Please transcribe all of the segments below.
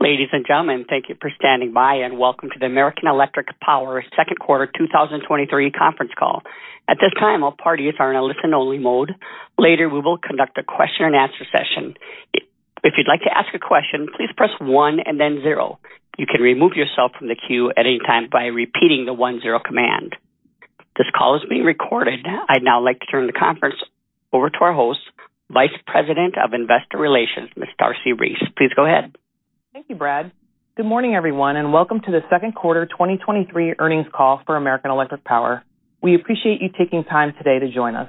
Ladies and gentlemen, thank you for standing by. Welcome to the American Electric Power Second Quarter 2023 conference call. At this time, all parties are in a listen-only mode. Later, we will conduct a Q&A session. If you'd like to ask a question, please press one and then zero. You can remove yourself from the queue at any time by repeating the one zero command. This call is being recorded. I'd now like to turn the conference over to our host, Vice President of Investor Relations, Ms. Darcy Reese. Please go ahead. Thank you, Brad. Good morning, everyone, and welcome to the second quarter 2023 earnings call for American Electric Power. We appreciate you taking time today to join us.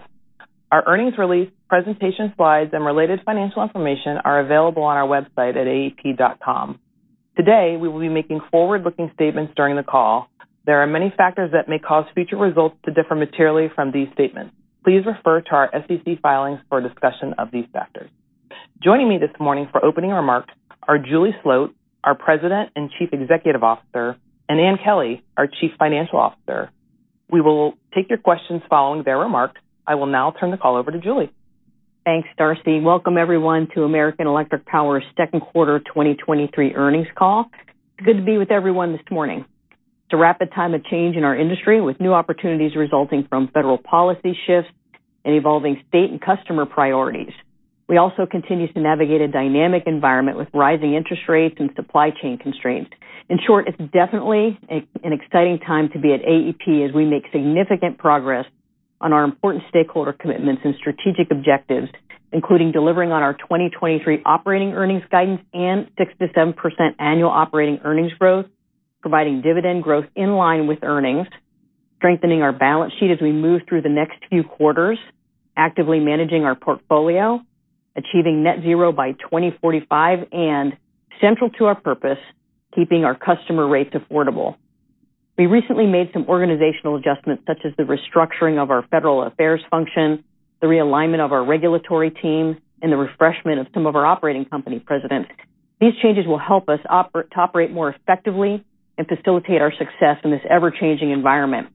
Our earnings release, presentation slides, and related financial information are available on our website at aep.com. Today, we will be making forward-looking statements during the call. There are many factors that may cause future results to differ materially from these statements. Please refer to our SEC filings for a discussion of these factors. Joining me this morning for opening remarks are Julie Sloat, our President and Chief Executive Officer, and Ann Kelly, our Chief Financial Officer. We will take your questions following their remarks. I will now turn the call over to Julie. Thanks, Darcy. Welcome, everyone, to American Electric Power's second quarter 2023 earnings call. Good to be with everyone this morning. It's a rapid time of change in our industry, with new opportunities resulting from federal policy shifts and evolving state and customer priorities. We also continue to navigate a dynamic environment with rising interest rates and supply chain constraints. In short, it's definitely an exciting time to be at AEP as we make significant progress on our important stakeholder commitments and strategic objectives, including delivering on our 2023 operating earnings guidance and 6%-7% annual operating earnings growth, providing dividend growth in line with earnings, strengthening our balance sheet as we move through the next few quarters, actively managing our portfolio, achieving net zero by 2045, and central to our purpose, keeping our customer rates affordable. We recently made some organizational adjustments, such as the restructuring of our federal affairs function, the realignment of our regulatory teams, and the refreshment of some of our operating company presidents. These changes will help us to operate more effectively and facilitate our success in this ever-changing environment.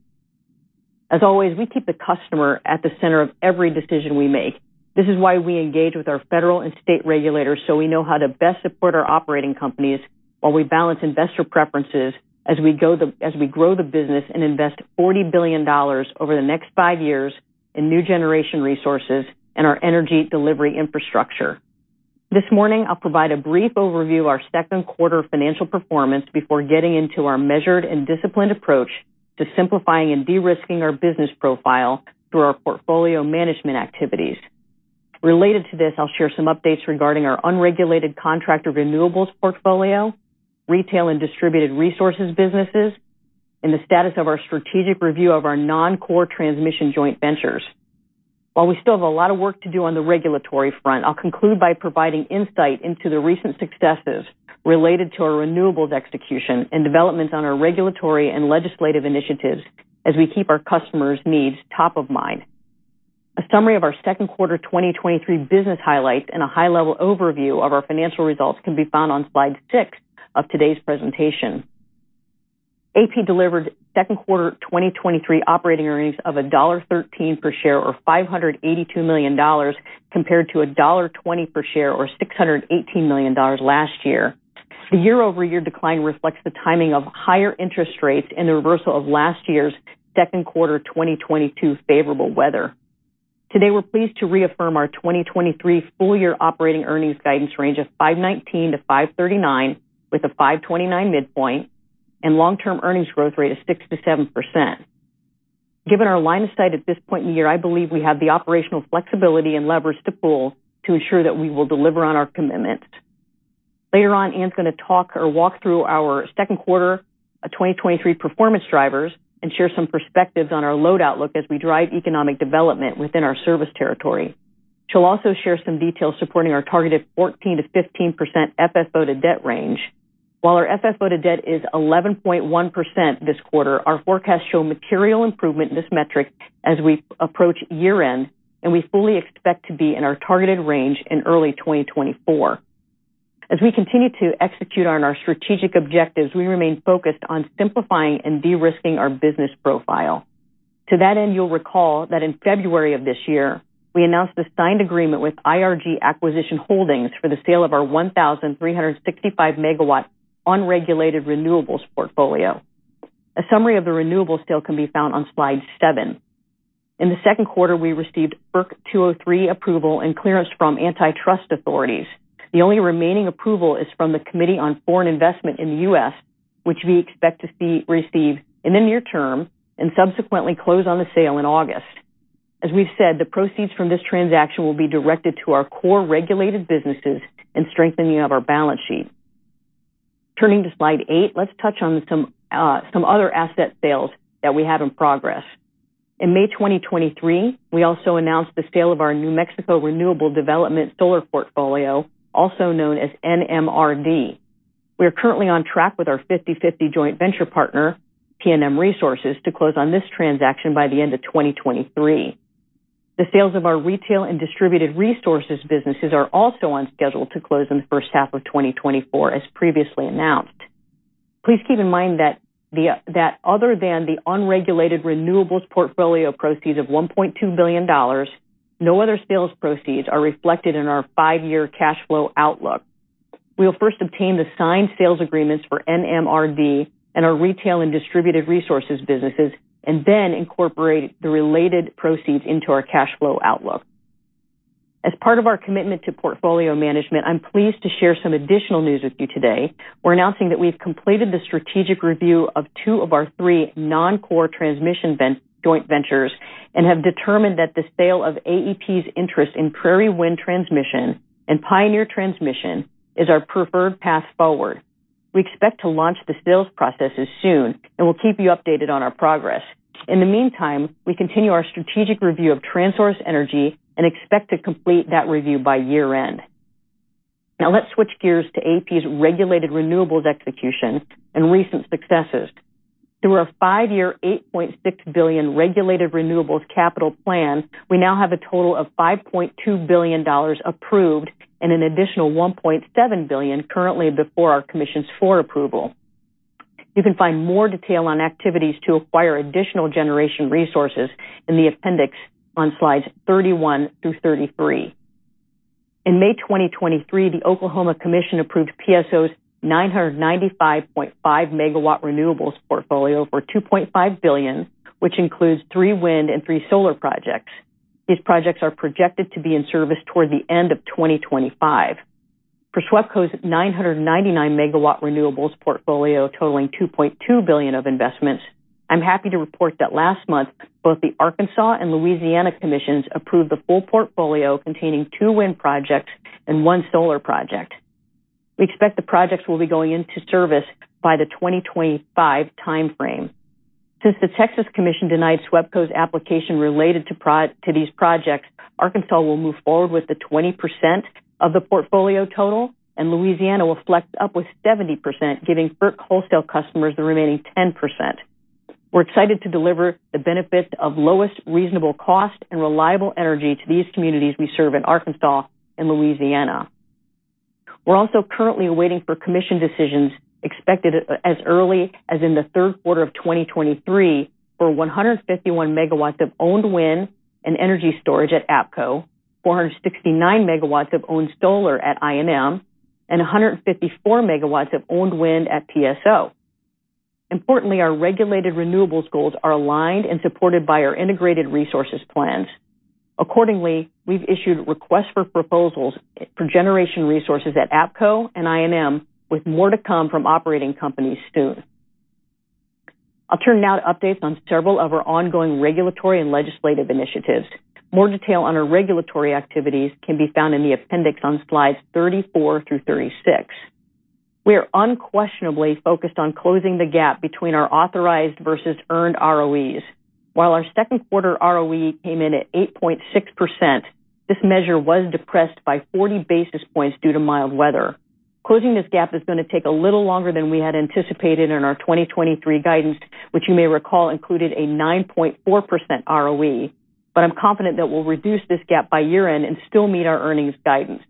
As always, we keep the customer at the center of every decision we make. This is why we engage with our federal and state regulators, so we know how to best support our operating companies while we balance investor preferences as we grow the business and invest $40 billion over the next 5 years in new generation resources and our energy delivery infrastructure. This morning, I'll provide a brief overview of our second quarter financial performance before getting into our measured and disciplined approach to simplifying and de-risking our business profile through our portfolio management activities. Related to this, I'll share some updates regarding our unregulated contract or renewables portfolio, retail and distributed resources businesses, and the status of our strategic review of our non-core transmission joint ventures. While we still have a lot of work to do on the regulatory front, I'll conclude by providing insight into the recent successes related to our renewables execution and developments on our regulatory and legislative initiatives as we keep our customers' needs top of mind. A summary of our second quarter 2023 business highlights and a high-level overview of our financial results can be found on slide 6 of today's presentation. AEP delivered second quarter 2023 operating earnings of $1.13 per share, or $582 million, compared to $1.20 per share, or $618 million last year. The year-over-year decline reflects the timing of higher interest rates and the reversal of last year's second quarter 2022 favorable weather. Today, we're pleased to reaffirm our 2023 full-year operating earnings guidance range of $5.19-$5.39, with a $5.29 midpoint, and long-term earnings growth rate of 6%-7%. Given our line of sight at this point in the year, I believe we have the operational flexibility and leverage to pull to ensure that we will deliver on our commitments. Later on, Ann 's going to talk or walk through our second quarter 2023 performance drivers and share some perspectives on our load outlook as we drive economic development within our service territory. She'll also share some details supporting our targeted 14%-15% FFO to debt range. While our FFO to debt is 11.1% this quarter, our forecasts show material improvement in this metric as we approach year-end, we fully expect to be in our targeted range in early 2024. As we continue to execute on our strategic objectives, we remain focused on simplifying and de-risking our business profile. To that end, you'll recall that in February of this year, we announced a signed agreement with IRG Acquisition Holdings for the sale of our 1,365 MW unregulated renewables portfolio. A summary of the renewables sale can be found on slide 7. In the second quarter, we received FERC Section 203 approval and clearance from antitrust authorities. The only remaining approval is from the Committee on Foreign Investment in the U.S., which we expect to see, receive in the near term and subsequently close on the sale in August. As we've said, the proceeds from this transaction will be directed to our core regulated businesses and strengthening of our balance sheet. Turning to slide 8, let's touch on some other asset sales that we have in progress. In May 2023, we also announced the sale of our New Mexico Renewable Development solar portfolio, also known as NMRD. We are currently on track with our 50/50 joint venture partner, PNM Resources, to close on this transaction by the end of 2023. The sales of our retail and distributed resources businesses are also on schedule to close in the first half of 2024, as previously announced. Please keep in mind that other than the unregulated renewables portfolio proceeds of $1.2 billion, no other sales proceeds are reflected in our 5-year cash flow outlook. We will first obtain the signed sales agreements for NMRD and our retail and distributed resources businesses, then incorporate the related proceeds into our cash flow outlook. As part of our commitment to portfolio management, I'm pleased to share some additional news with you today. We're announcing that we've completed the strategic review of 2 of our 3 non-core transmission joint ventures, and have determined that the sale of AEP's interest in Prairie Wind Transmission and Pioneer Transmission is our preferred path forward. We expect to launch the sales processes soon. We'll keep you updated on our progress. In the meantime, we continue our strategic review of TransSource Energy and expect to complete that review by year-end. Let's switch gears to AEP's regulated renewables execution and recent successes. Through our 5-year, $8.6 billion regulated renewables capital plan, we now have a total of $5.2 billion approved and an additional $1.7 billion currently before our commissions for approval. You can find more detail on activities to acquire additional generation resources in the appendix on slides 31-33. In May 2023, the Oklahoma Commission approved PSO's 995.5 MW renewables portfolio for $2.5 billion, which includes three wind and three solar projects. These projects are projected to be in service toward the end of 2025. For SWEPCO's 999 MW renewables portfolio, totaling $2.2 billion of investments, I'm happy to report that last month, both the Arkansas and Louisiana Commissions approved the full portfolio containing 2 wind projects and 1 solar project. We expect the projects will be going into service by the 2025 timeframe. Since the Texas Commission denied SWEPCO's application related to these projects, Arkansas will move forward with the 20% of the portfolio total, and Louisiana will flex up with 70%, giving FERC wholesale customers the remaining 10%. We're excited to deliver the benefit of lowest reasonable cost and reliable energy to these communities we serve in Arkansas and Louisiana. We're also currently waiting for commission decisions, expected as early as in the third quarter of 2023, for 151 MW of owned wind and energy storage at APCO, 469 MW of owned solar at INM, and 154 MW of owned wind at PSO. Importantly, our regulated renewables goals are aligned and supported by our integrated resource plans. Accordingly, we've issued requests for proposals for generation resources at APCO and INM, with more to come from operating companies soon. I'll turn now to updates on several of our ongoing regulatory and legislative initiatives. More detail on our regulatory activities can be found in the appendix on slides 34 through 36. We are unquestionably focused on closing the gap between our authorized versus earned ROEs. While our second quarter ROE came in at 8.6%, this measure was depressed by 40 basis points due to mild weather. Closing this gap is gonna take a little longer than we had anticipated in our 2023 guidance, which you may recall, included a 9.4% ROE. I'm confident that we'll reduce this gap by year-end and still meet our earnings guidance.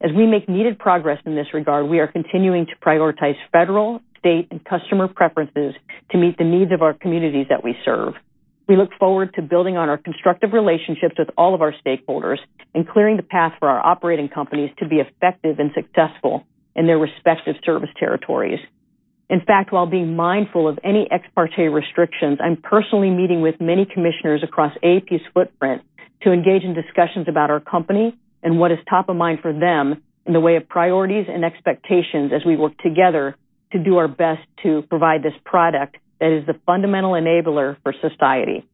As we make needed progress in this regard, we are continuing to prioritize federal, state, and customer preferences to meet the needs of our communities that we serve. We look forward to building on our constructive relationships with all of our stakeholders and clearing the path for our operating companies to be effective and successful in their respective service territories. In fact, while being mindful of any ex parte restrictions, I'm personally meeting with many commissioners across AEP's footprint to engage in discussions about our company and what is top of mind for them in the way of priorities and expectations, as we work together to do our best to provide this product that is the fundamental enabler for society.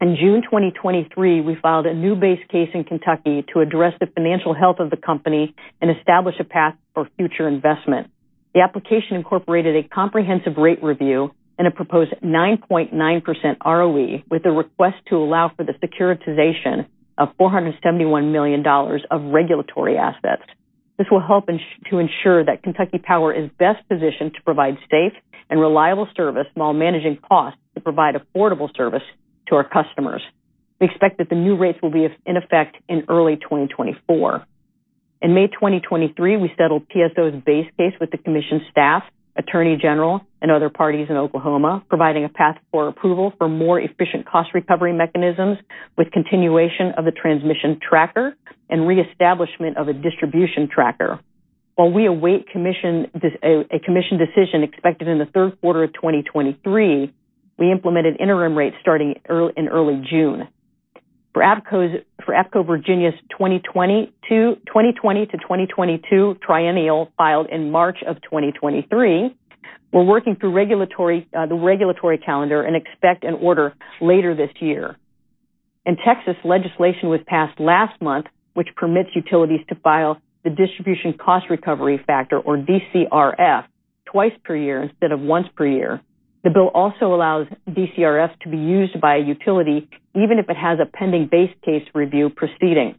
In June 2023, we filed a new base case in Kentucky to address the financial health of the company and establish a path for future investment. The application incorporated a comprehensive rate review and a proposed 9.9% ROE, with a request to allow for the securitization of $471 million of regulatory assets. This will help to ensure that Kentucky Power is best positioned to provide safe and reliable service while managing costs to provide affordable service to our customers. We expect that the new rates will be in effect in early 2024. In May 2023, we settled PSO's base case with the commission staff, attorney general, and other parties in Oklahoma, providing a path for approval for more efficient cost recovery mechanisms, with continuation of the transmission tracker and reestablishment of a distribution tracker. While we await a commission decision expected in the third quarter of 2023, we implemented interim rates starting in early June. For APCO Virginia's 2020 to 2022 triennial, filed in March of 2023, we're working through regulatory, the regulatory calendar and expect an order later this year. In Texas, legislation was passed last month, which permits utilities to file the Distribution Cost Recovery Factor, or DCRF, twice per year instead of once per year. The bill also allows DCRF to be used by a utility, even if it has a pending base case review proceeding.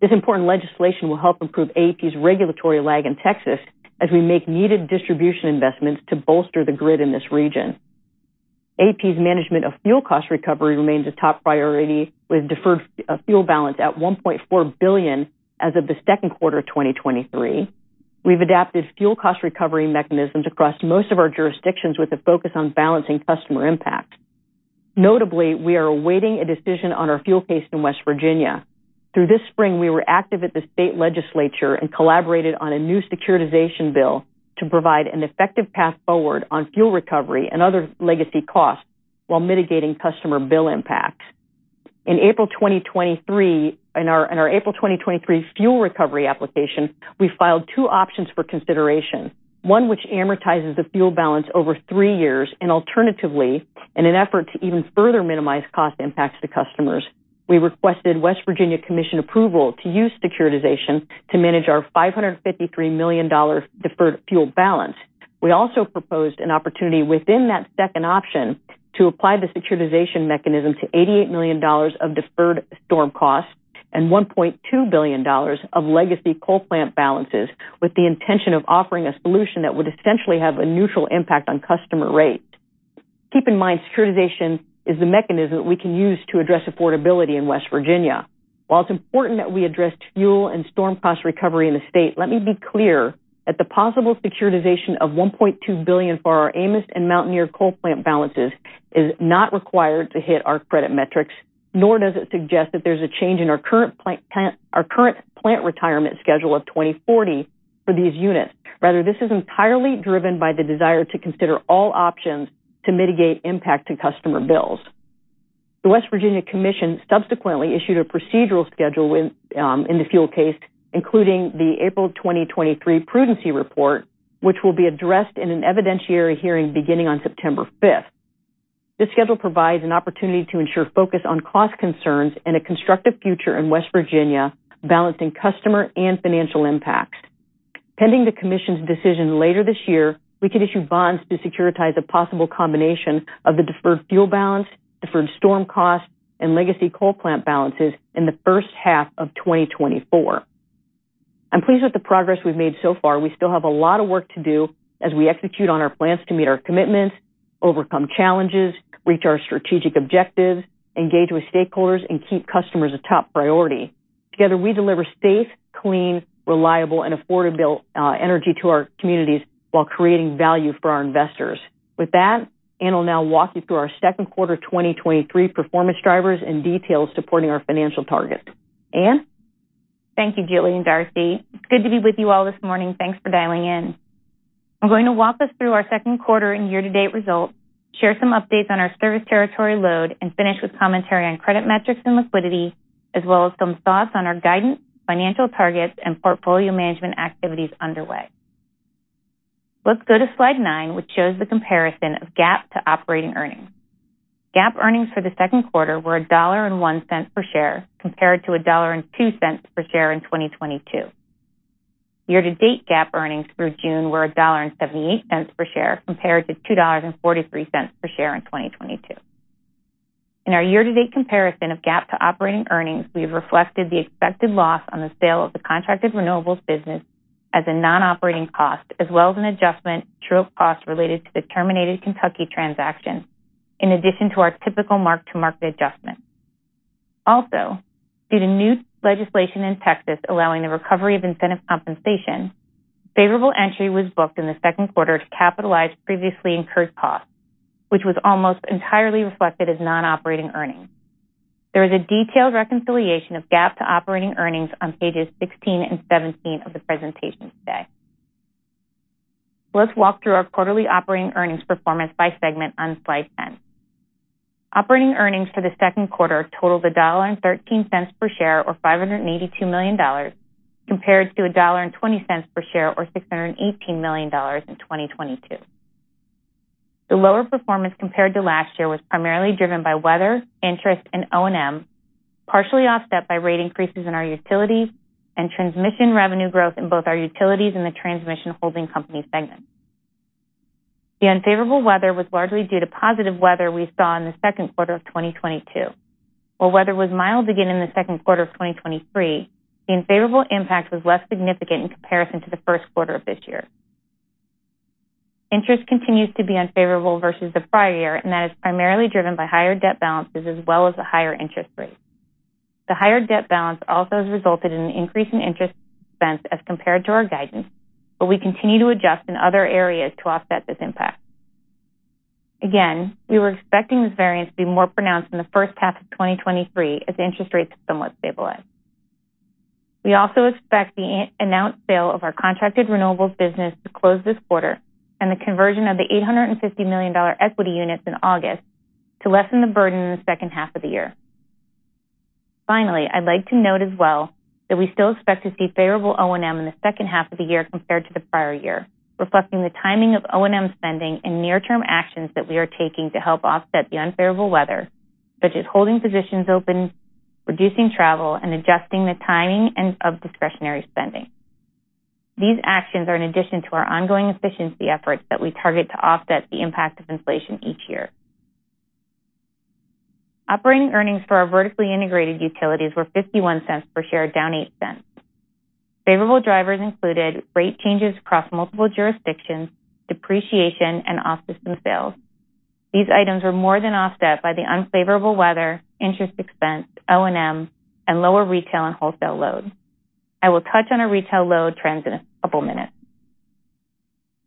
This important legislation will help improve AEP's regulatory lag in Texas as we make needed distribution investments to bolster the grid in this region. AEP's management of fuel cost recovery remains a top priority, with deferred fuel balance at $1.4 billion as of the second quarter of 2023. We've adapted fuel cost recovery mechanisms across most of our jurisdictions with a focus on balancing customer impact. Notably, we are awaiting a decision on our fuel case in West Virginia. Through this spring, we were active at the state legislature and collaborated on a new securitization bill to provide an effective path forward on fuel recovery and other legacy costs while mitigating customer bill impacts. In April 2023, in our April 2023 fuel recovery application, we filed two options for consideration. One, which amortizes the fuel balance over 3 years. Alternatively, in an effort to even further minimize cost impacts to customers, we requested West Virginia Commission approval to use securitization to manage our $553 million deferred fuel balance. We also proposed an opportunity within that second option to apply the securitization mechanism to $88 million of deferred storm costs and $1.2 billion of legacy coal plant balances, with the intention of offering a solution that would essentially have a neutral impact on customer rates. Keep in mind, securitization is the mechanism we can use to address affordability in West Virginia. While it's important that we address fuel and storm cost recovery in the state, let me be clear that the possible securitization of $1.2 billion for our Amos and Mountaineer coal plant balances is not required to hit our credit metrics, nor does it suggest that there's a change in our current plant retirement schedule of 2040 for these units. This is entirely driven by the desire to consider all options to mitigate impact to customer bills. The West Virginia Commission subsequently issued a procedural schedule in in the fuel case, including the April 2023 prudency report, which will be addressed in an evidentiary hearing beginning on September 5th. This schedule provides an opportunity to ensure focus on cost concerns and a constructive future in West Virginia, balancing customer and financial impacts. Pending the commission's decision later this year, we could issue bonds to securitize a possible combination of the deferred fuel balance, deferred storm costs, and legacy coal plant balances in the first half of 2024. I'm pleased with the progress we've made so far. We still have a lot of work to do as we execute on our plans to meet our commitments, overcome challenges, reach our strategic objectives, engage with stakeholders, and keep customers a top priority. Together, we deliver safe, clean, reliable, and affordable energy to our communities while creating value for our investors. With that, Ann will now walk you through our second quarter 2023 performance drivers and details supporting our financial targets. Ann? Thank you, Julie and Darcy. It's good to be with you all this morning. Thanks for dialing in. I'm going to walk us through our second quarter and year-to-date results, share some updates on our service territory load, and finish with commentary on credit metrics and liquidity, as well as some thoughts on our guidance, financial targets, and portfolio management activities underway. Let's go to slide 9, which shows the comparison of GAAP to operating earnings. GAAP earnings for the second quarter were $1.01 per share, compared to $1.02 per share in 2022. Year-to-date GAAP earnings through June were $1.78 per share, compared to $2.43 per share in 2022. In our year-to-date comparison of GAAP to operating earnings, we've reflected the expected loss on the sale of the contracted renewables business as a non-operating cost, as well as an adjustment to costs related to the terminated Kentucky transaction, in addition to our typical mark-to-market adjustment. Due to new legislation in Texas allowing the recovery of incentive compensation, favorable entry was booked in the second quarter to capitalize previously incurred costs, which was almost entirely reflected as non-operating earnings. There is a detailed reconciliation of GAAP to operating earnings on pages 16 and 17 of the presentation today. Let's walk through our quarterly operating earnings performance by segment on slide 10. Operating earnings for the second quarter totaled $1.13 per share or $582 million, compared to $1.20 per share, or $618 million in 2022. The lower performance compared to last year was primarily driven by weather, interest, and O&M, partially offset by rate increases in our utilities and transmission revenue growth in both our utilities and the transmission holding company segment. The unfavorable weather was largely due to positive weather we saw in the second quarter of 2022. While weather was mild again in the second quarter of 2023, the unfavorable impact was less significant in comparison to the first quarter of this year. Interest continues to be unfavorable versus the prior year. That is primarily driven by higher debt balances as well as a higher interest rate. The higher debt balance also has resulted in an increase in interest expense as compared to our guidance, we continue to adjust in other areas to offset this impact. We were expecting this variance to be more pronounced in the first half of 2023 as interest rates somewhat stabilize. We also expect the announced sale of our contracted renewables business to close this quarter and the conversion of the $850 million equity units in August to lessen the burden in the second half of the year. Finally, I'd like to note as well that we still expect to see favorable O&M in the second half of the year compared to the prior year, reflecting the timing of O&M spending and near-term actions that we are taking to help offset the unfavorable weather, such as holding positions open, reducing travel, and adjusting the timing of discretionary spending. These actions are in addition to our ongoing efficiency efforts that we target to offset the impact of inflation each year. Operating earnings for our vertically integrated utilities were $0.51 per share, down $0.08. Favorable drivers included rate changes across multiple jurisdictions, depreciation, and off-system sales. These items were more than offset by the unfavorable weather, interest expense, O&M, and lower retail and wholesale load. I will touch on our retail load trends in a couple minutes.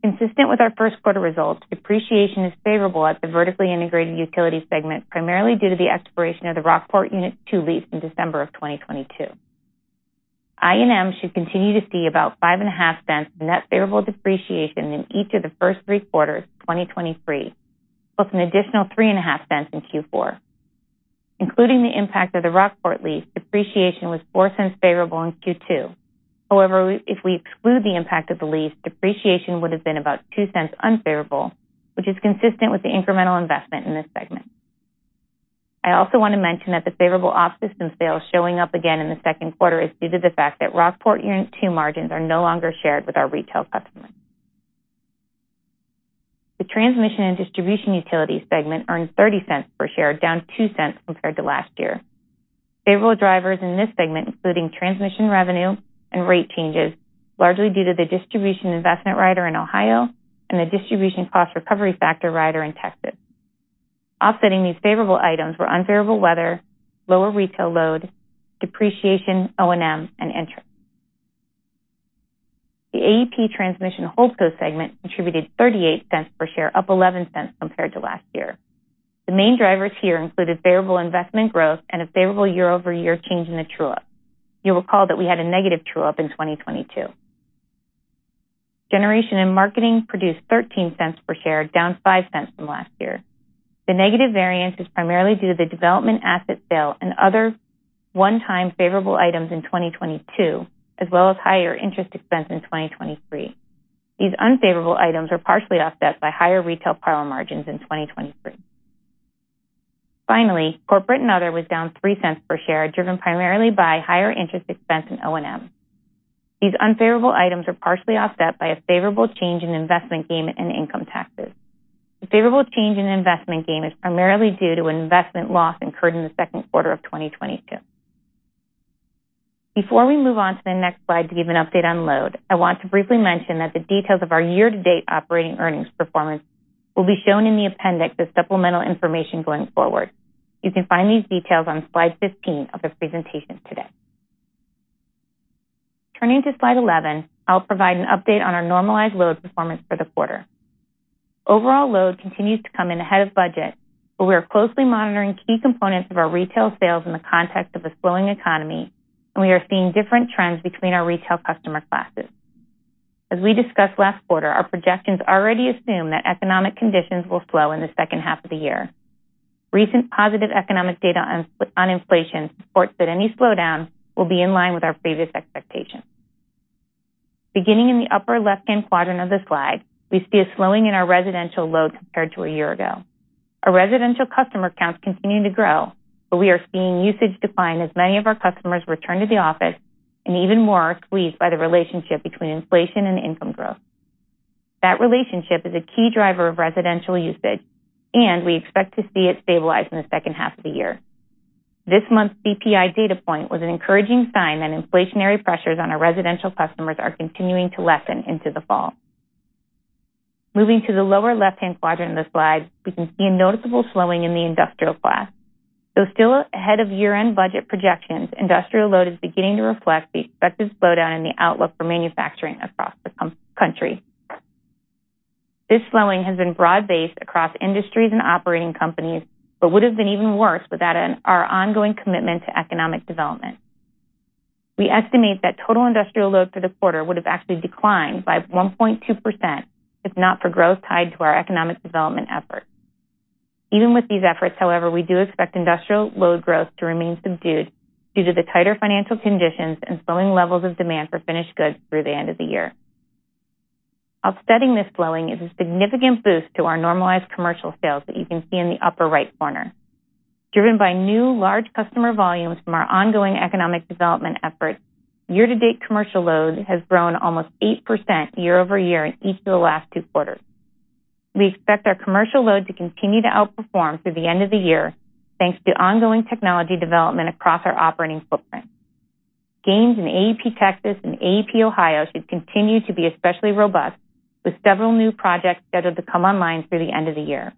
Consistent with our 1st quarter results, depreciation is favorable at the vertically integrated utility segment, primarily due to the expiration of the Rockport Unit 2 lease in December of 2022. I&M should continue to see about $0.055 in net favorable depreciation in each of the 1st three quarters of 2023, plus an additional $0.035 in Q4. Including the impact of the Rockport lease, depreciation was $0.04 favorable in Q2. However, if we exclude the impact of the lease, depreciation would have been about $0.02 unfavorable, which is consistent with the incremental investment in this segment. I also want to mention that the favorable off-system sales showing up again in the 2nd quarter is due to the fact that Rockport Unit 2 margins are no longer shared with our retail customers. The transmission and distribution utilities segment earned $0.30 per share, down $0.02 compared to last year. Favorable drivers in this segment, including transmission revenue and rate changes, largely due to the Distribution Investment Rider in Ohio and the Distribution Cost Recovery Factor rider in Texas. Offsetting these favorable items were unfavorable weather, lower retail load, depreciation, O&M, and interest. The AEP Transmission Holdco segment contributed $0.38 per share, up $0.11 compared to last year. The main drivers here included favorable investment growth and a favorable year-over-year change in the true-up. You'll recall that we had a negative true-up in 2022. Generation and marketing produced $0.13 per share, down $0.05 from last year. The negative variance is primarily due to the development asset sale and other one-time favorable items in 2022, as well as higher interest expense in 2023. These unfavorable items are partially offset by higher retail power margins in 2023. Finally, corporate and other was down $0.03 per share, driven primarily by higher interest expense in O&M. These unfavorable items are partially offset by a favorable change in investment gain and income taxes. The favorable change in investment gain is primarily due to investment loss incurred in the second quarter of 2022. Before we move on to the next slide to give an update on load, I want to briefly mention that the details of our year-to-date operating earnings performance will be shown in the appendix as supplemental information going forward. You can find these details on slide 15 of this presentation today. Turning to slide 11, I'll provide an update on our normalized load performance for the quarter. Overall load continues to come in ahead of budget, but we are closely monitoring key components of our retail sales in the context of a slowing economy, and we are seeing different trends between our retail customer classes. As we discussed last quarter, our projections already assume that economic conditions will slow in the second half of the year. Recent positive economic data on inflation supports that any slowdown will be in line with our previous expectations. Beginning in the upper left-hand quadrant of the slide, we see a slowing in our residential load compared to a year ago. Our residential customer counts continue to grow, but we are seeing usage decline as many of our customers return to the office, and even more are squeezed by the relationship between inflation and income growth. That relationship is a key driver of residential usage. We expect to see it stabilize in the second half of the year. This month's CPI data point was an encouraging sign that inflationary pressures on our residential customers are continuing to lessen into the fall. Moving to the lower left-hand quadrant of the slide, we can see a noticeable slowing in the industrial class. Though still ahead of year-end budget projections, industrial load is beginning to reflect the expected slowdown in the outlook for manufacturing across the country. This slowing has been broad-based across industries and operating companies, but would have been even worse without our ongoing commitment to economic development. We estimate that total industrial load for the quarter would have actually declined by 1.2%, if not for growth tied to our economic development efforts. Even with these efforts, however, we do expect industrial load growth to remain subdued due to the tighter financial conditions and slowing levels of demand for finished goods through the end of the year. Offsetting this slowing is a significant boost to our normalized commercial sales that you can see in the upper right corner. Driven by new large customer volumes from our ongoing economic development efforts, year-to-date commercial load has grown almost 8% year-over-year in each of the last two quarters. We expect our commercial load to continue to outperform through the end of the year, thanks to ongoing technology development across our operating footprint. Gains in AEP Texas and AEP Ohio should continue to be especially robust, with several new projects scheduled to come online through the end of the year.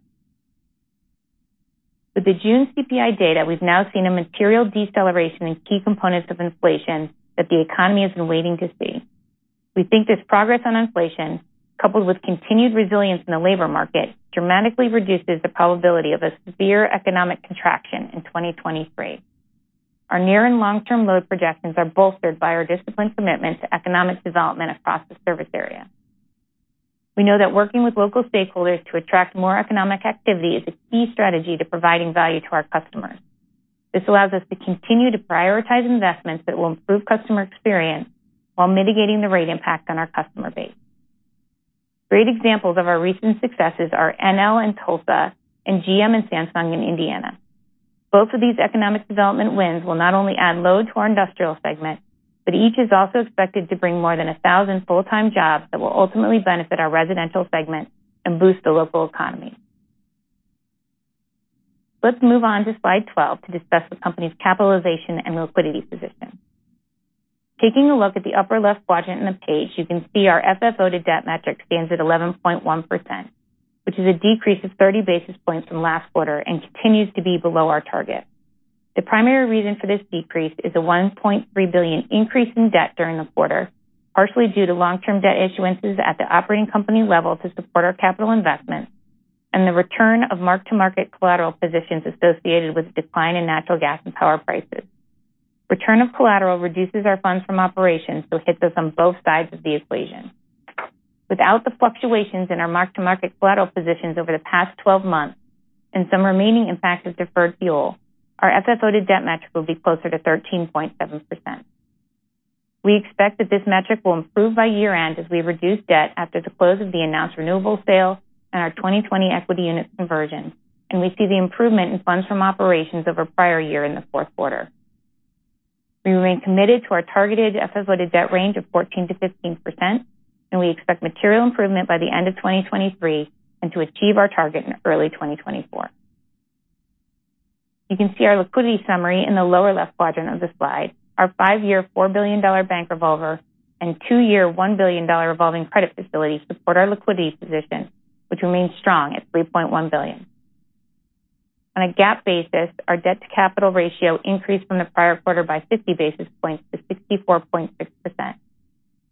With the June CPI data, we've now seen a material deceleration in key components of inflation that the economy has been waiting to see. We think this progress on inflation, coupled with continued resilience in the labor market, dramatically reduces the probability of a severe economic contraction in 2023. Our near and long-term load projections are bolstered by our disciplined commitment to economic development across the service area. We know that working with local stakeholders to attract more economic activity is a key strategy to providing value to our customers. This allows us to continue to prioritize investments that will improve customer experience while mitigating the rate impact on our customer base. Great examples of our recent successes are Enel in Tulsa and GM and Samsung in Indiana. Both of these economic development wins will not only add load to our industrial segment, but each is also expected to bring more than 1,000 full-time jobs that will ultimately benefit our residential segment and boost the local economy. Let's move on to slide 12 to discuss the company's capitalization and liquidity position. Taking a look at the upper left quadrant of the page, you can see our FFO to debt metric stands at 11.1%, which is a decrease of 30 basis points from last quarter and continues to be below our target. The primary reason for this decrease is a $1.3 billion increase in debt during the quarter, partially due to long-term debt issuances at the operating company level to support our capital investments and the return of mark-to-market collateral positions associated with the decline in natural gas and power prices. Return of collateral reduces our funds from operations. It hits us on both sides of the equation. Without the fluctuations in our mark-to-market collateral positions over the past 12 months and some remaining impact of deferred fuel, our FFO to debt metric will be closer to 13.7%. We expect that this metric will improve by year-end as we reduce debt after the close of the announced renewable sale and our 2020 equity unit conversion. We see the improvement in funds from operations over prior year in the fourth quarter. We remain committed to our targeted FFO to debt range of 14%-15%. We expect material improvement by the end of 2023 and to achieve our target in early 2024. You can see our liquidity summary in the lower left quadrant of the slide. Our 5-year, $4 billion bank revolver and 2-year, $1 billion revolving credit facility support our liquidity position, which remains strong at $3.1 billion. On a GAAP basis, our debt-to-capital ratio increased from the prior quarter by 50 basis points to 64.6%.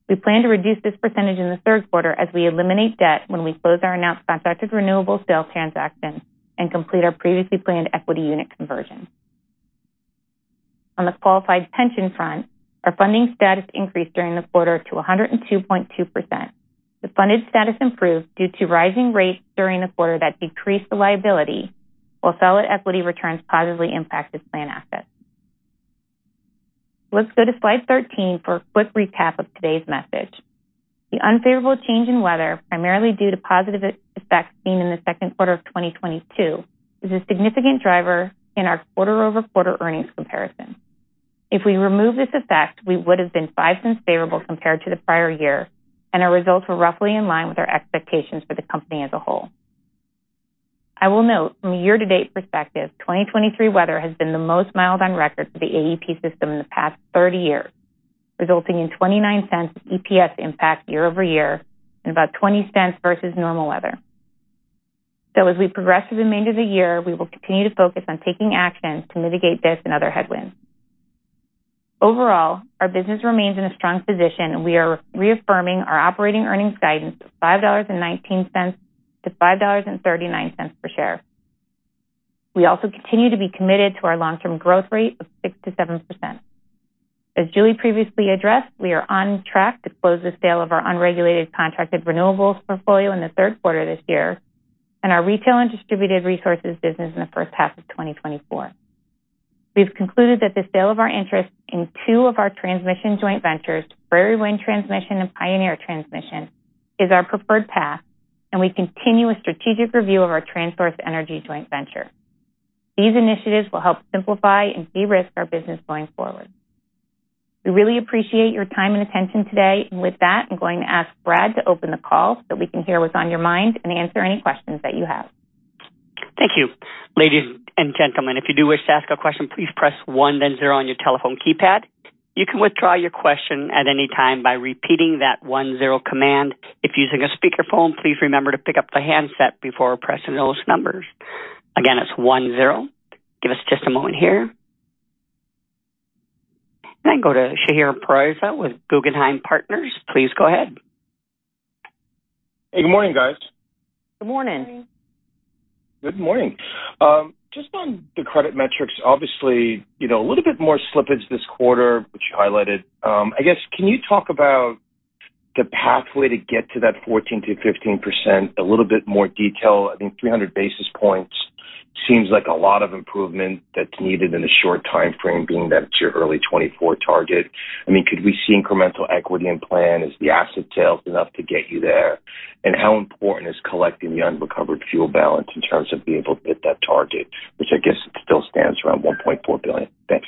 We plan to reduce this percentage in the 3rd quarter as we eliminate debt when we close our announced contracted renewable sale transaction and complete our previously plAnn d equity unit conversion. On the qualified pension front, our funding status increased during the quarter to 102.2%. The funded status improved due to rising rates during the quarter that decreased the liability, while solid equity returns positively impacted plan assets. Let's go to slide 13 for a quick recap of today's message. The unfavorable change in weather, primarily due to positive effects seen in the second quarter of 2022, is a significant driver in our quarter-over-quarter earnings comparison. If we remove this effect, we would have been $0.05 favorable compared to the prior year, and our results were roughly in line with our expectations for the company as a whole. I will note, from a year-to-date perspective, 2023 weather has been the most mild on record for the AEP system in the past 30 years, resulting in $0.29 EPS impact year-over-year and about $0.20 versus normal weather. As we progress through the remainder of the year, we will continue to focus on taking actions to mitigate this and other headwinds. Overall, our business remains in a strong position. We are reaffirming our operating earnings guidance of $5.19-$5.39 per share. We also continue to be committed to our long-term growth rate of 6%-7%. As Julie previously addressed, we are on track to close the sale of our unregulated contracted renewables portfolio in the third quarter this year and our retail and distributed resources business in the first half of 2024. We've concluded that the sale of our interest in two of our transmission joint ventures, Prairie Wind Transmission and Pioneer Transmission, is our preferred path, and we continue a strategic review of our TransSource Energy joint venture. These initiatives will help simplify and de-risk our business going forward. We really appreciate your time and attention today. With that, I'm going to ask Brad to open the call so we can hear what's on your mind and answer any questions that you have. Thank you. Ladies and gentlemen, if you do wish to ask a question, please press one, then zero on your telephone keypad. You can withdraw your question at any time by repeating that one-zero command. If using a speakerphone, please remember to pick up the handset before pressing those numbers. Again, it's one, zero. Give us just a moment here. I go to Shahriar Pourreza with Guggenheim Partners. Please go ahead. Hey, good morning, guys. Good morning. Good morning. Good morning. Just on the credit metrics, obviously, you know, a little bit more slippage this quarter, which you highlighted. I guess, can you talk about the pathway to get to that 14%-15%? A little bit more detail. I think 300 basis points seems like a lot of improvement that's needed in a short timeframe, being that it's your early 2024 target. I mean, could we see incremental equity in plan? Is the asset tail enough to get you there? How important is collecting the unrecovered fuel balance in terms of being able to hit that target, which I guess still stands around $1.4 billion. Thanks.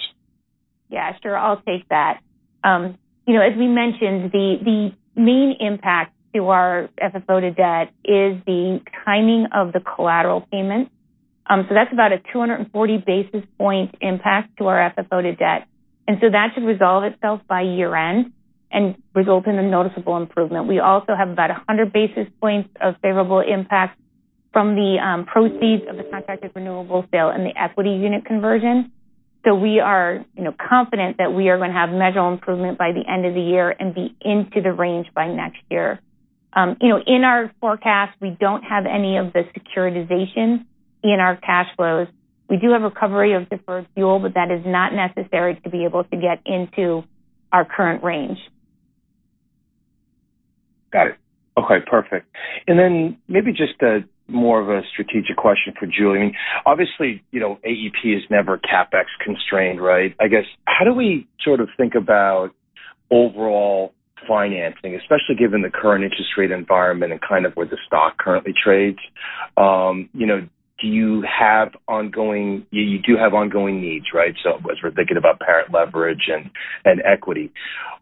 Yeah, sure. I'll take that. You know, as we mentioned, the main impact to our FFO to debt is the timing of the collateral payments. That's about a 240 basis point impact to our FFO to debt, and so that should resolve itself by year-end and result in a noticeable improvement. We also have about a 100 basis points of favorable impact from the proceeds of the contracted renewable sale and the equity unit conversion. We are, you know, confident that we are going to have measurable improvement by the end of the year and be into the range by next year. You know, in our forecast, we don't have any of the securitization in our cash flows. We do have recovery of deferred fuel, but that is not necessary to be able to get into our current range. Got it. Okay, perfect. Then maybe just a more of a strategic question for Julie. I mean, obviously, you know, AEP is never CapEx constrained, right? I guess, how do we sort of think about overall financing, especially given the current interest rate environment and kind of where the stock currently trades? You know, you do have ongoing needs, right? As we're thinking about parent leverage and, and equity,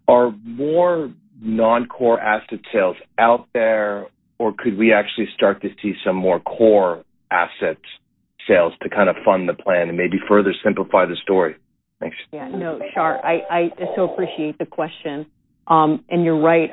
are more non-core asset sales out there, or could we actually start to see some more core asset sales to kind of fund the plan and maybe further simplify the story? Thanks. Yeah, no, Shahr, I so appreciate the question. You're right,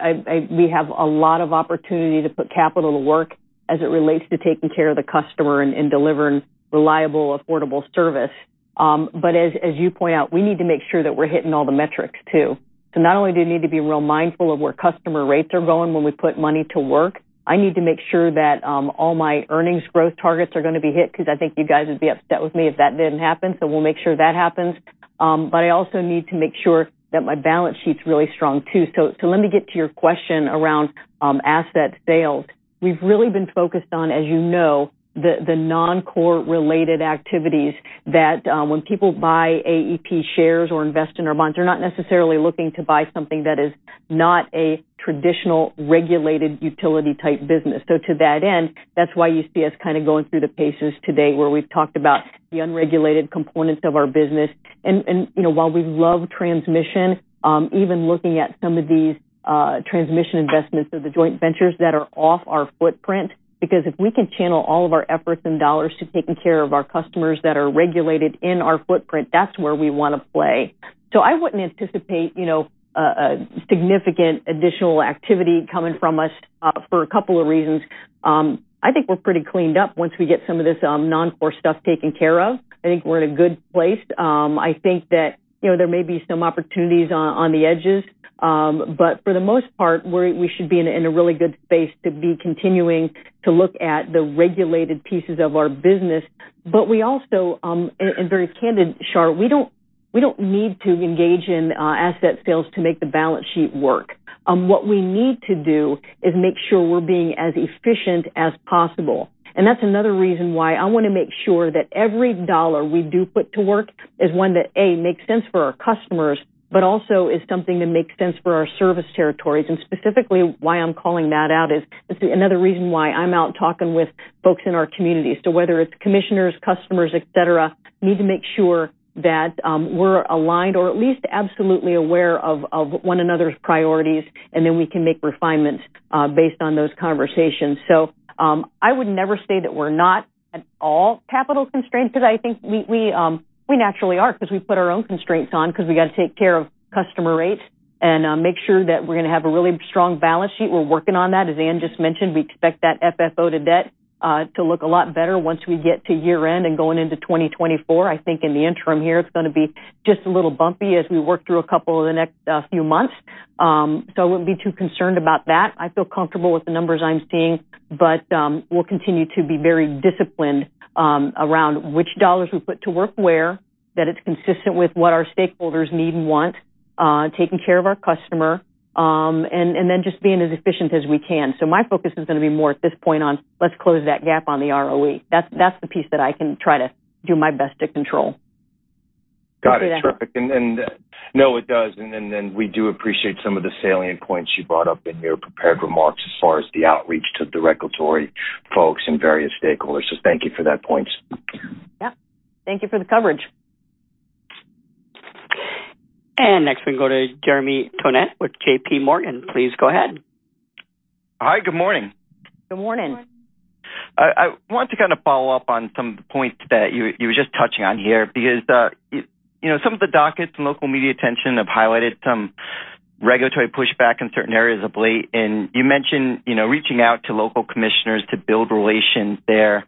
we have a lot of opportunity to put capital to work as it relates to taking care of the customer and delivering reliable, affordable service. As you point out, we need to make sure that we're hitting all the metrics, too. Not only do you need to be real mindful of where customer rates are going when we put money to work, I need to make sure that all my earnings growth targets are going to be hit, because I think you guys would be upset with me if that didn't happen, we'll make sure that happens. I also need to make sure that my balance sheet's really strong, too. Let me get to your question around asset sales. We've really been focused on, as you know, the, the non-core related activities, that, when people buy AEP shares or invest in our bonds, they're not necessarily looking to buy something that is not a traditional regulated utility-type business. To that end, that's why you see us kind of going through the paces today, where we've talked about the unregulated components of our business. You know, while we love transmission, even looking at some of these, transmission investments of the joint ventures that are off our footprint, because if we can chAnn l all of our efforts and dollars to taking care of our customers that are regulated in our footprint, that's where we want to play. I wouldn't anticipate, you know, a significant additional activity coming from us, for a couple of reasons. I think we're pretty cleaned up once we get some of this non-core stuff taken care of. I think we're in a good place. I think that, you know, there may be some opportunities on, on the edges, but for the most part, we should be in a really good space to be continuing to look at the regulated pieces of our business. We also, and very candid, Shahr, we don't, we don't need to engage in asset sales to make the balance sheet work. What we need to do is make sure we're being as efficient as possible. That's another reason why I want to make sure that every dollar we do put to work is one that, A, makes sense for our customers, but also is something that makes sense for our service territories. Specifically, why I'm calling that out is, it's another reason why I'm out talking with folks in our communities. Whether it's commissioners, customers, et cetera, need to make sure that we're aligned or at least absolutely aware of, of one another's priorities, and then we can make refinements based on those conversations. I would never say that we're not at all capital constrained, because I think we, we naturally are, because we put our own constraints on, because we got to take care of customer rates and make sure that we're going to have a really strong balance sheet. We're working on that. As Ann just mentioned, we expect that FFO to debt to look a lot better once we get to year end and going into 2024. I think in the interim here, it's going to be just a little bumpy as we work through a couple of the next few months. I wouldn't be too concerned about that. I feel comfortable with the numbers I'm seeing, but we'll continue to be very disciplined around which dollars we put to work where, that it's consistent with what our stakeholders need and want, taking care of our customer, and then just being as efficient as we can. My focus is going to be more at this point on, let's close that gap on the ROE. That's the piece that I can try to do my best to control. Got it. Perfect. No, it does. We do appreciate some of the salient points you brought up in your prepared remarks as far as the outreach to the regulatory folks and various stakeholders. Thank you for that point. Yeah. Thank you for the coverage. Next, we go to Jeremy Tonet with JPMorgan. Please go ahead. Hi, good morning. Good morning. I want to kind of follow up on some of the points that you were just touching on here, because you know, some of the dockets and local media attention have highlighted some regulatory pushback in certain areas of late, and you mentioned, you know, reaching out to local commissioners to build relations there.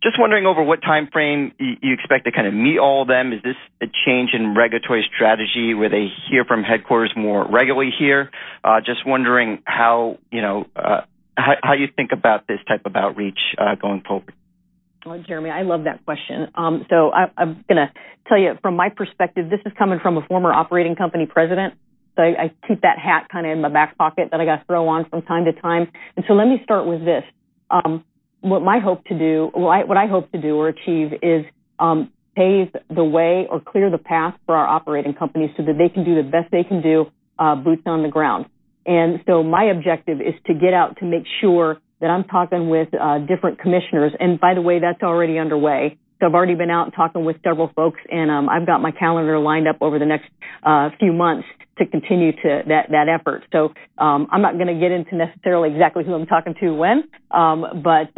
Just wondering over what timeframe you expect to kind of meet all of them. Is this a change in regulatory strategy, where they hear from headquarters more regularly here? Just wondering how, you know, how you think about this type of outreach going forward. Jeremy, I love that question. I'm going to tell you from my perspective, this is coming from a former operating company president, I keep that hat kind of in my back pocket that I got to throw on from time to time. Let me start with this. What I hope to do or achieve is pave the way or clear the path for our operating companies so that they can do the best they can do, boots on the ground. My objective is to get out to make sure that I'm talking with different commissioners, and by the way, that's already underway. I've already been out talking with several folks, and I've got my calendar lined up over the next few months to continue that effort. I'm not going to get into necessarily exactly who I'm talking to when, but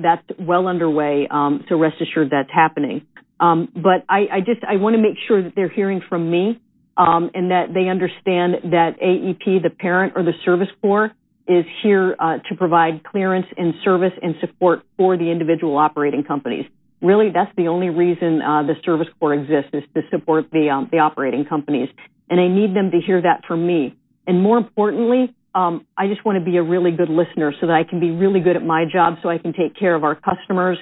that's well underway, so rest assured that's happening. I, I just, I want to make sure that they're hearing from me, and that they understand that AEP, the parent or the service corps, is here to provide clearance and service and support for the individual operating companies. Really, that's the only reason the service corps exists is to support the operating companies. I need them to hear that from me. More importantly, I just want to be a really good listener so that I can be really good at my job, so I can take care of our customers,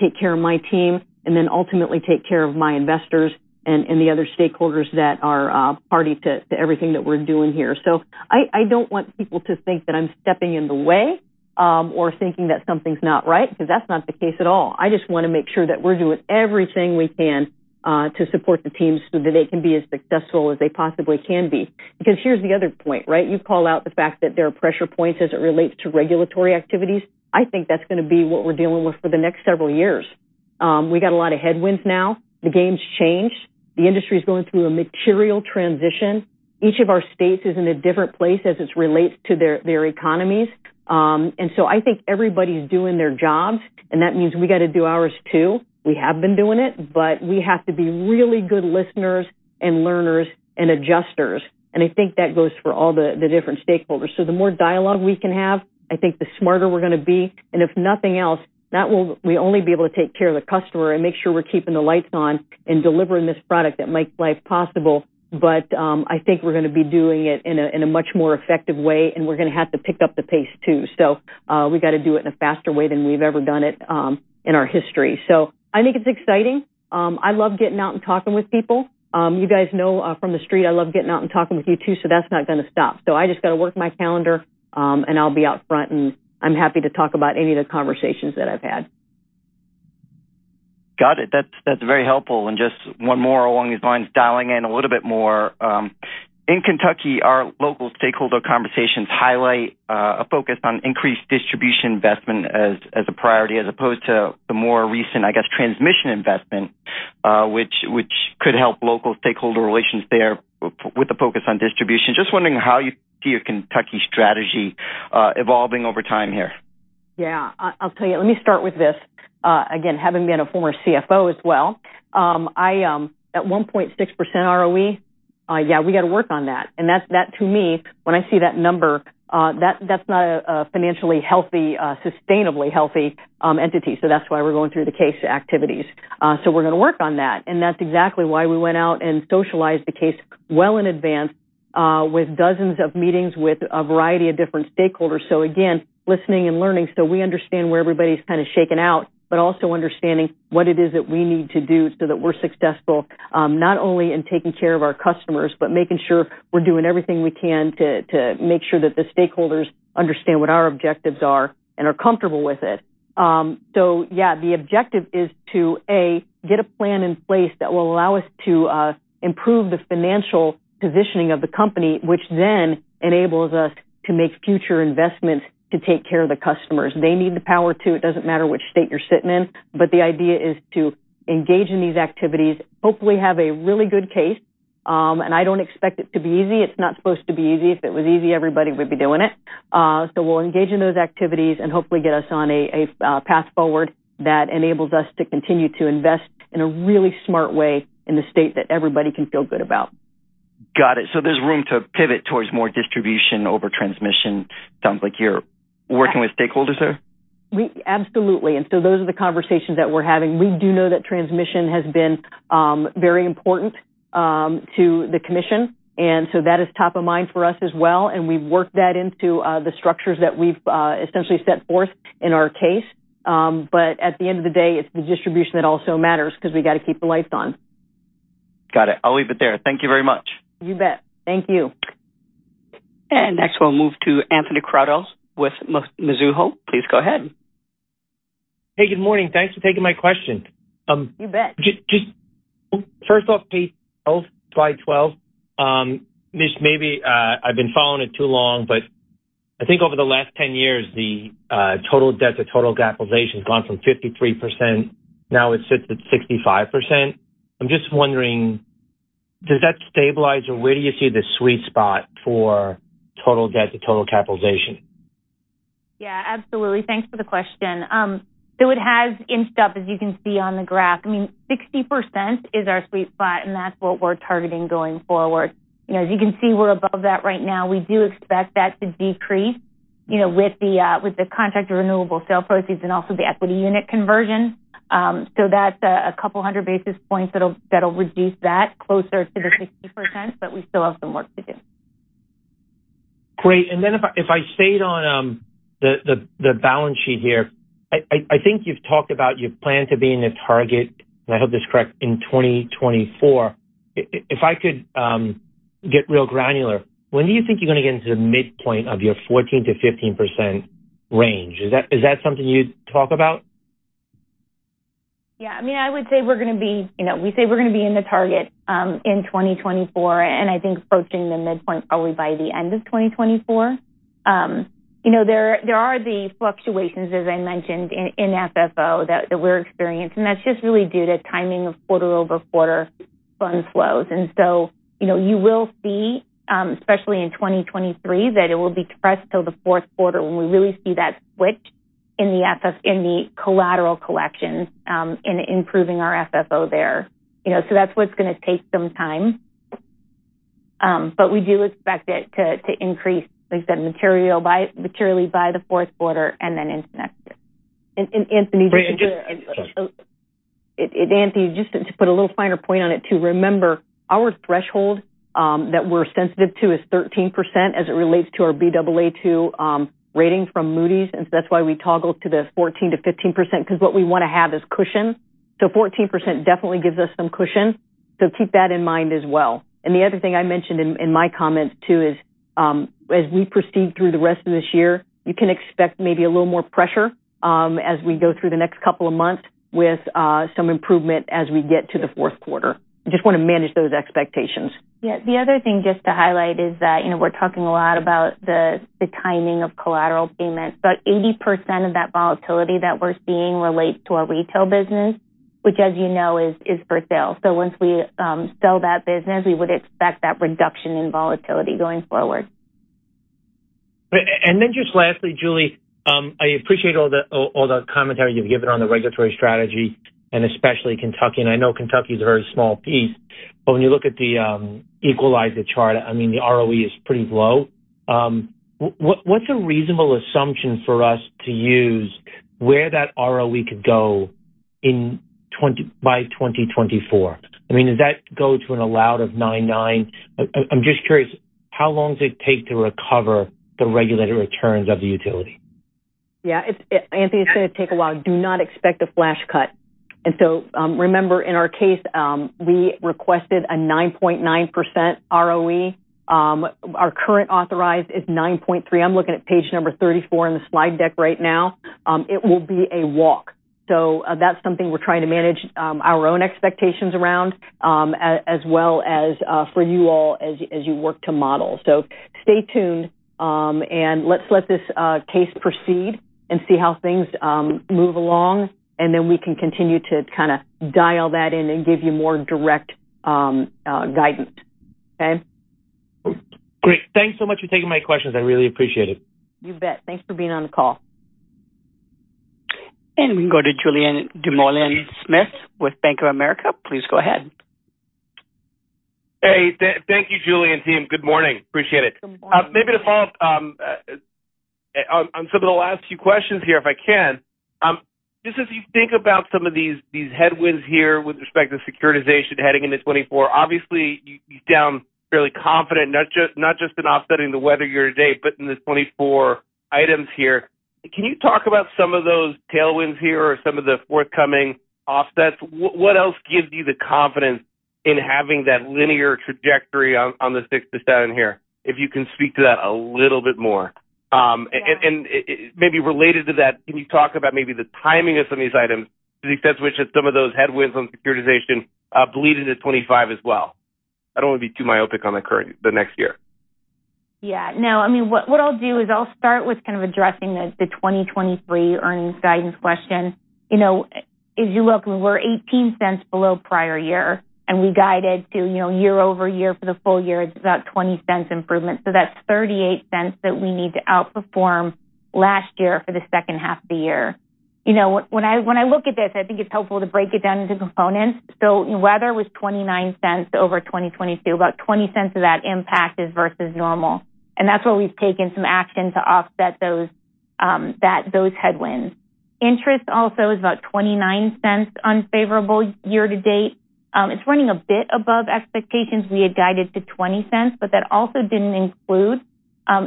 take care of my team, and ultimately take care of my investors and the other stakeholders that are party to everything that we're doing here. I don't want people to think that I'm stepping in the way, or thinking that something's not right, because that's not the case at all. I just want to make sure that we're doing everything we can to support the teams so that they can be as successful as they possibly can be. Here's the other point, right? You called out the fact that there are pressure points as it relates to regulatory activities. I think that's going to be what we're dealing with for the next several years. We got a lot of headwinds now. The game's changed. The industry is going through a material transition. Each of our states is in a different place as it relates to their economies. So I think everybody's doing their jobs, and that means we got to do ours, too. We have been doing it, but we have to be really good listeners and learners and adjusters, and I think that goes for all the different stakeholders. The more dialogue we can have, I think the smarter we're going to be. If nothing else, we only be able to take care of the customer and make sure we're keeping the lights on and delivering this product that makes life possible. I think we're going to be doing it in a much more effective way, and we're going to have to pick up the pace, too. We got to do it in a faster way than we've ever done it in our history. I think it's exciting. I love getting out and talking with people. You guys know from the street, I love getting out and talking with you, too. That's not going to stop. I just got to work my calendar, and I'll be out front, and I'm happy to talk about any of the conversations that I've had. Got it. That's, that's very helpful. Just one more along these lines, dialing in a little bit more. In Kentucky, our local stakeholder conversations highlight a focus on increased distribution investment as a priority as opposed to the more recent, I guess, transmission investment, which could help local stakeholder relations there with the focus on distribution. Just wondering how you see your Kentucky strategy evolving over time here. I, I'll tell you. Let me start with this. Again, having been a former CFO as well, I, at 1.6% ROE, yeah, we got to work on that. That's, that to me, when I see that number, that, that's not a, a financially healthy, sustainably healthy, entity. That's why we're going through the case activities. We're going to work on that. That's exactly why we went out and socialized the case well in advance, with dozens of meetings with a variety of different stakeholders. Again, listening and learning so we understand where everybody's kind of shaken out, but also understanding what it is that we need to do so that we're successful, not only in taking care of our customers, but making sure we're doing everything we can to make sure that the stakeholders understand what our objectives are and are comfortable with it. Yeah, the objective is to A, get a plan in place that will allow us to improve the financial positioning of the company, which then enables us to make future investments to take care of the customers. They need the power, too. It doesn't matter which state you're sitting in. The idea is to engage in these activities, hopefully have a really good case. I don't expect it to be easy. It's not supposed to be easy. If it was easy, everybody would be doing it. We'll engage in those activities and hopefully get us on a path forward that enables us to continue to invest in a really smart way in the state that everybody can feel good about. Got it. There's room to pivot towards more distribution over transmission. Sounds like you're working with stakeholders there? Absolutely. Those are the conversations that we're having. We do know that transmission has been very important to the commission. That is top of mind for us as well, and we've worked that into the structures that we've essentially set forth in our case. At the end of the day, it's the distribution that also matters because we got to keep the lights on. Got it. I'll leave it there. Thank you very much. You bet. Thank you. Next, we'll move to Anthony Crowdell with Mizuho. Please go ahead. Hey, good morning. Thanks for taking my question. You bet. Just first off, page 12, slide 12. Maybe, I've been following it too long, but I think over the last 10 years, the total debt to total capitalization has gone from 53%, now it sits at 65%. I'm just wondering, does that stabilize, or where do you see the sweet spot for total debt to total capitalization? Yeah, absolutely. Thanks for the question. It has inched up, as you can see on the graph. I mean, 60% is our sweet spot, and that's what we're targeting going forward. You know, as you can see, we're above that right now. We do expect that to decrease, you know, with the contract renewable sale proceeds and also the equity unit conversion. That's a couple hundred basis points that'll reduce that closer to the 60%, but we still have some work to do. Great. If I stayed on, the balance sheet here, I think you've talked about your plan to be in the target, and I hope this is correct, in 2024. If I could get real granular, when do you think you're going to get into the midpoint of your 14%-15% range? Is that something you'd talk about? Yeah. I mean, I would say we're going to be, you know, we say we're going to be in the target in 2024, and I think approaching the midpoint probably by the end of 2024. You know, there are the fluctuations, as I mentioned, in FFO that we're experiencing, and that's just really due to timing of quarter-over-quarter fund flows. You know, you will see, especially in 2023, that it will be pressed till the fourth quarter when we really see that switch in the FS, in the collateral collections, in improving our FFO there. That's what's going to take some time. We do expect it to, to increase, like I said, materially by the fourth quarter and then into next year. Anthony. Great. Anthony, just to put a little finer point on it, too, remember, our threshold that we're sensitive to is 13% as it relates to our Baa2 rating from Moody's. That's why we toggle to the 14%-15%, because what we want to have is cushion. 14% definitely gives us some cushion. Keep that in mind as well. The other thing I mentioned in, in my comments, too, is, as we proceed through the rest of this year, you can expect maybe a little more pressure as we go through the next couple of months with some improvement as we get to the fourth quarter. I just want to manage those expectations. The other thing just to highlight is that, you know, we're talking a lot about the timing of collateral payments, but 80% of that volatility that we're seeing relates to our retail business, which, as you know, is for sale. Once we sell that business, we would expect that reduction in volatility going forward. Just lastly, Julie, I appreciate all the commentary you've given on the regulatory strategy and especially Kentucky. I know Kentucky is a very small piece, but when you look at the equalize the chart, I mean, the ROE is pretty low. What's a reasonable assumption for us to use where that ROE could go by 2024? I mean, does that go to an allowed of 9.9%? I'm just curious, how long does it take to recover the regulated returns of the utility? Yeah, Anthony, it's going to take a while. Do not expect a flash cut. Remember, in our case, we requested a 9.9% ROE. Our current authorized is 9.3%. I'm looking at page number 34 in the slide deck right now. It will be a walk. That's something we're trying to manage, our own expectations around, as well as for you all as you work to model. Stay tuned, let's let this case proceed and see how things move along, then we can continue to kind of dial that in and give you more direct guidance. Okay? Great. Thanks so much for taking my questions. I really appreciate it. You bet. Thanks for being on the call. We can go to Julien Dumoulin-Smith with Bank of America. Please go ahead. Hey, thank you, Julien team. Good morning. Appreciate it. Good morning. Maybe to follow up, on some of the last few questions here, if I can. Just as you think about some of these, these headwinds here with respect to securitization heading into 2024, obviously, you're down fairly confident, not just in offsetting the weather year to date, but in the 24 items here. Can you talk about some of those tailwinds here or some of the forthcoming offsets? What else gives you the confidence in having that linear trajectory on the 6 to 7 here? If you can speak to that a little bit more. Maybe related to that, can you talk about maybe the timing of some of these items, to the extent which some of those headwinds on securitization, bleed into 2025 as well? I don't want to be too myopic on the current, the next year. Yeah. No, I mean, what I'll do is I'll start with kind of addressing the 2023 earnings guidance question. You know, as you look, we're $0.18 below prior year. We guided to, you know, year-over-year for the full year, it's about $0.20 improvement. That's $0.38 that we need to outperform last year for the second half of the year. You know, when I look at this, I think it's helpful to break it down into components. Weather was $0.29 over 2022. About $0.20 of that impact is versus normal. That's where we've taken some action to offset those headwinds. Interest also is about $0.29 unfavorable year-to-date. It's running a bit above expectations. We had guided to $0.20. That also didn't include,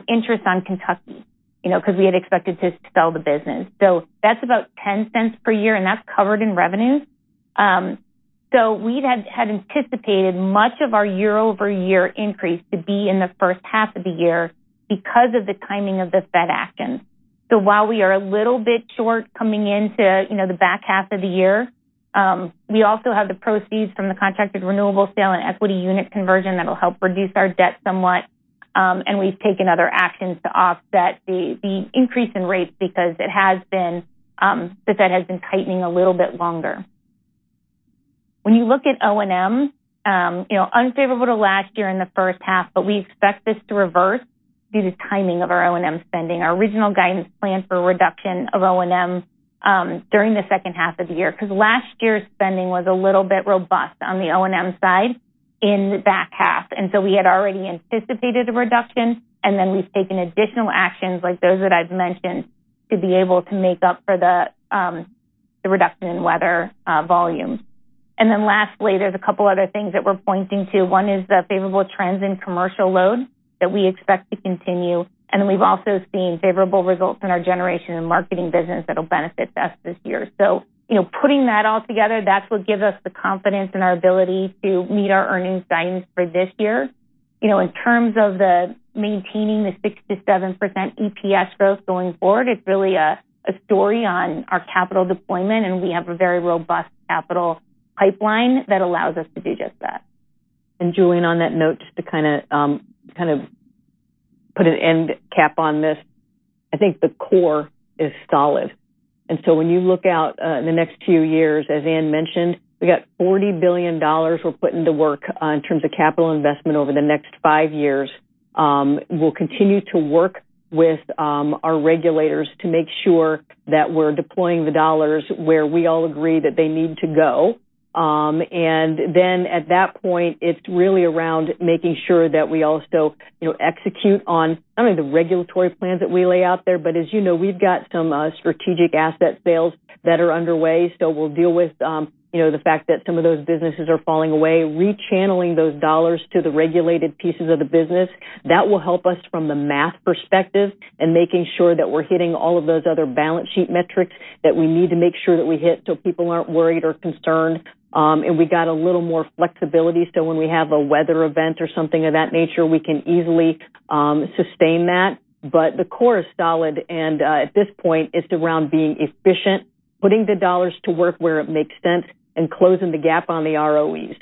interest on Kentucky, you know, because we had expected to sell the business. That's about $0.10 per year, and that's covered in revenues. We'd had anticipated much of our year-over-year increase to be in the first half of the year because of the timing of the Fed actions. While we are a little bit short coming into, you know, the back half of the year, we also have the proceeds from the contracted renewable sale and equity unit conversion that will help reduce our debt somewhat, and we've taken other actions to offset the, the increase in rates because it has been, the Fed has been tightening a little bit longer. When you look at O&M, you know, unfavorable to last year in the first half. We expect this to reverse due to timing of our O&M spending. Our original guidance plan for a reduction of O&M during the second half of the year because last year's spending was a little bit robust on the O&M side in the back half. We had already anticipated a reduction. We've taken additional actions, like those that I've mentioned, to be able to make up for the reduction in weather volume. Lastly, there's a couple other things that we're pointing to. One is the favorable trends in commercial load that we expect to continue. We've also seen favorable results in our generation and marketing business that will benefit us this year. You know, putting that all together, that's what gives us the confidence in our ability to meet our earnings guidance for this year. You know, in terms of the maintaining the 6%-7% EPS growth going forward, it's really a story on our capital deployment, and we have a very robust capital pipeline that allows us to do just that. Julien, on that note, just to kind of put an end cap on this. I think the core is solid. When you look out in the next two years, as Ann mentioned, we got $40 billion we're putting to work in terms of capital investment over the next five years. We'll continue to work with our regulators to make sure that we're deploying the dollars where we all agree that they need to go. At that point, it's really around making sure that we also, you know, execute on not only the regulatory plans that we lay out there, but as you know, we've got some strategic asset sales that are underway. We'll deal with, you know, the fact that some of those businesses are falling away, rechAnn ling those dollars to the regulated pieces of the business. That will help us from the math perspective and making sure that we're hitting all of those other balance sheet metrics that we need to make sure that we hit so people aren't worried or concerned. We got a little more flexibility, so when we have a weather event or something of that nature, we can easily sustain that. The core is solid, and at this point, it's around being efficient, putting the dollars to work where it makes sense, and closing the gap on the ROEs.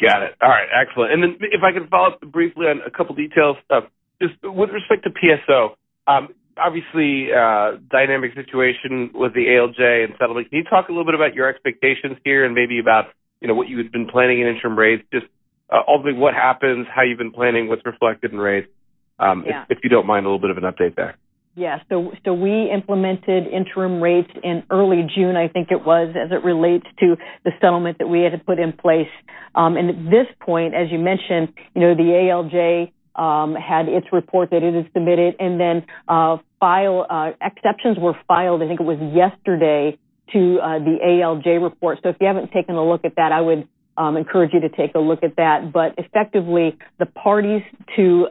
Got it. All right, excellent. Then if I can follow up briefly on a couple details. Just with respect to PSO, obviously, dynamic situation with the ALJ and settling. Can you talk a little bit about your expectations here and maybe about, you know, what you had been planning in interim rates? Just ultimately, what happens, how you've been planning, what's reflected in rates? Yeah. If you don't mind, a little bit of an update there. We implemented interim rates in early June, I think it was, as it relates to the settlement that we had to put in place. At this point, as you mentioned, you know, the ALJ had its report that it has submitted, exceptions were filed, I think it was yesterday, to the ALJ report. If you haven't taken a look at that, I would encourage you to take a look at that. Effectively, the parties to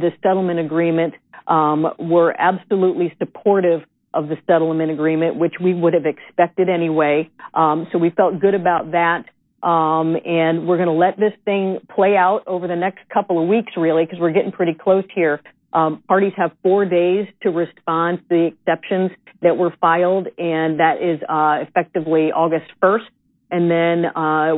this settlement agreement were absolutely supportive of the settlement agreement, which we would have expected anyway. We felt good about that. We're going to let this thing play out over the next couple of weeks, really, because we're getting pretty close here. Parties have 4 days to respond to the exceptions that were filed, effectively August 1st,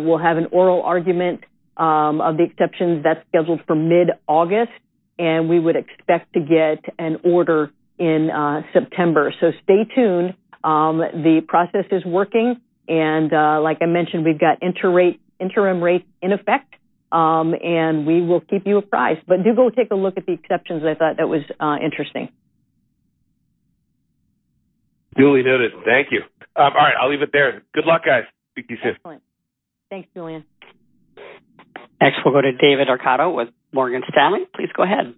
we'll have an oral argument of the exceptions. That's scheduled for mid-August, we would expect to get an order in September. Stay tuned. The process is working, like I mentioned, we've got interim rates in effect, we will keep you apprised. Do go take a look at the exceptions. I thought that was interesting. Duly noted. Thank you. I'll leave it there. Good luck, guys. Speak to you soon. Excellent. Thanks, Julien. Next, we'll go to David Arcaro with Morgan Stanley. Please go ahead.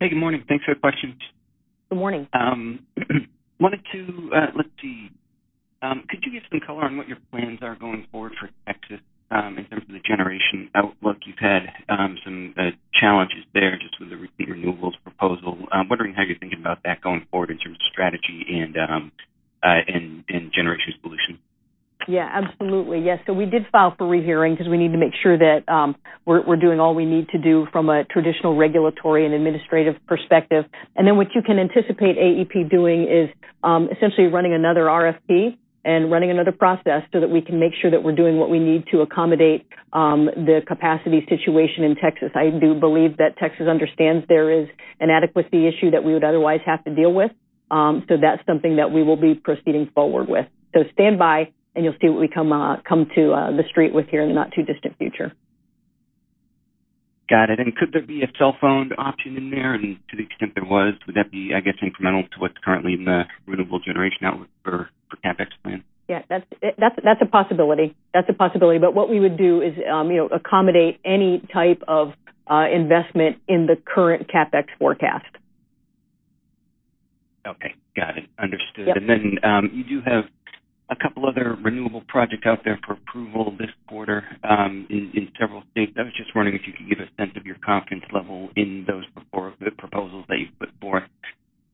Hey, good morning. Thanks for the questions. Good morning. Wanted to. Let's see. Could you give some color on what your plans are going forward for Texas in terms of the generation outlook? You've had some challenges there just with the renewables proposal. I'm wondering how you're thinking about that going forward in terms of strategy and generation solution. Yeah, absolutely. Yes. We did file for rehearing because we need to make sure that we're doing all we need to do from a traditional regulatory and administrative perspective. What you can anticipate AEP doing is essentially running another RFP and running another process so that we can make sure that we're doing what we need to accommodate the capacity situation in Texas. I do believe that Texas understands there is an adequacy issue that we would otherwise have to deal with, that's something that we will be proceeding forward with. Stand by and you'll see what we come to the street with here in the not-too-distant future. Got it. Could there be a cell phone option in there? To the extent there was, would that be, I guess, incremental to what's currently in the renewable generation outlook for CapEx plan? Yeah, that's a possibility. That's a possibility. What we would do is, you know, accommodate any type of investment in the current CapEx forecast. Okay, got it. Understood. Yep. You do have a couple other renewable projects out there for approval this quarter, in several states. I was just wondering if you could give a sense of your confidence level in those the proposals that you've put forth,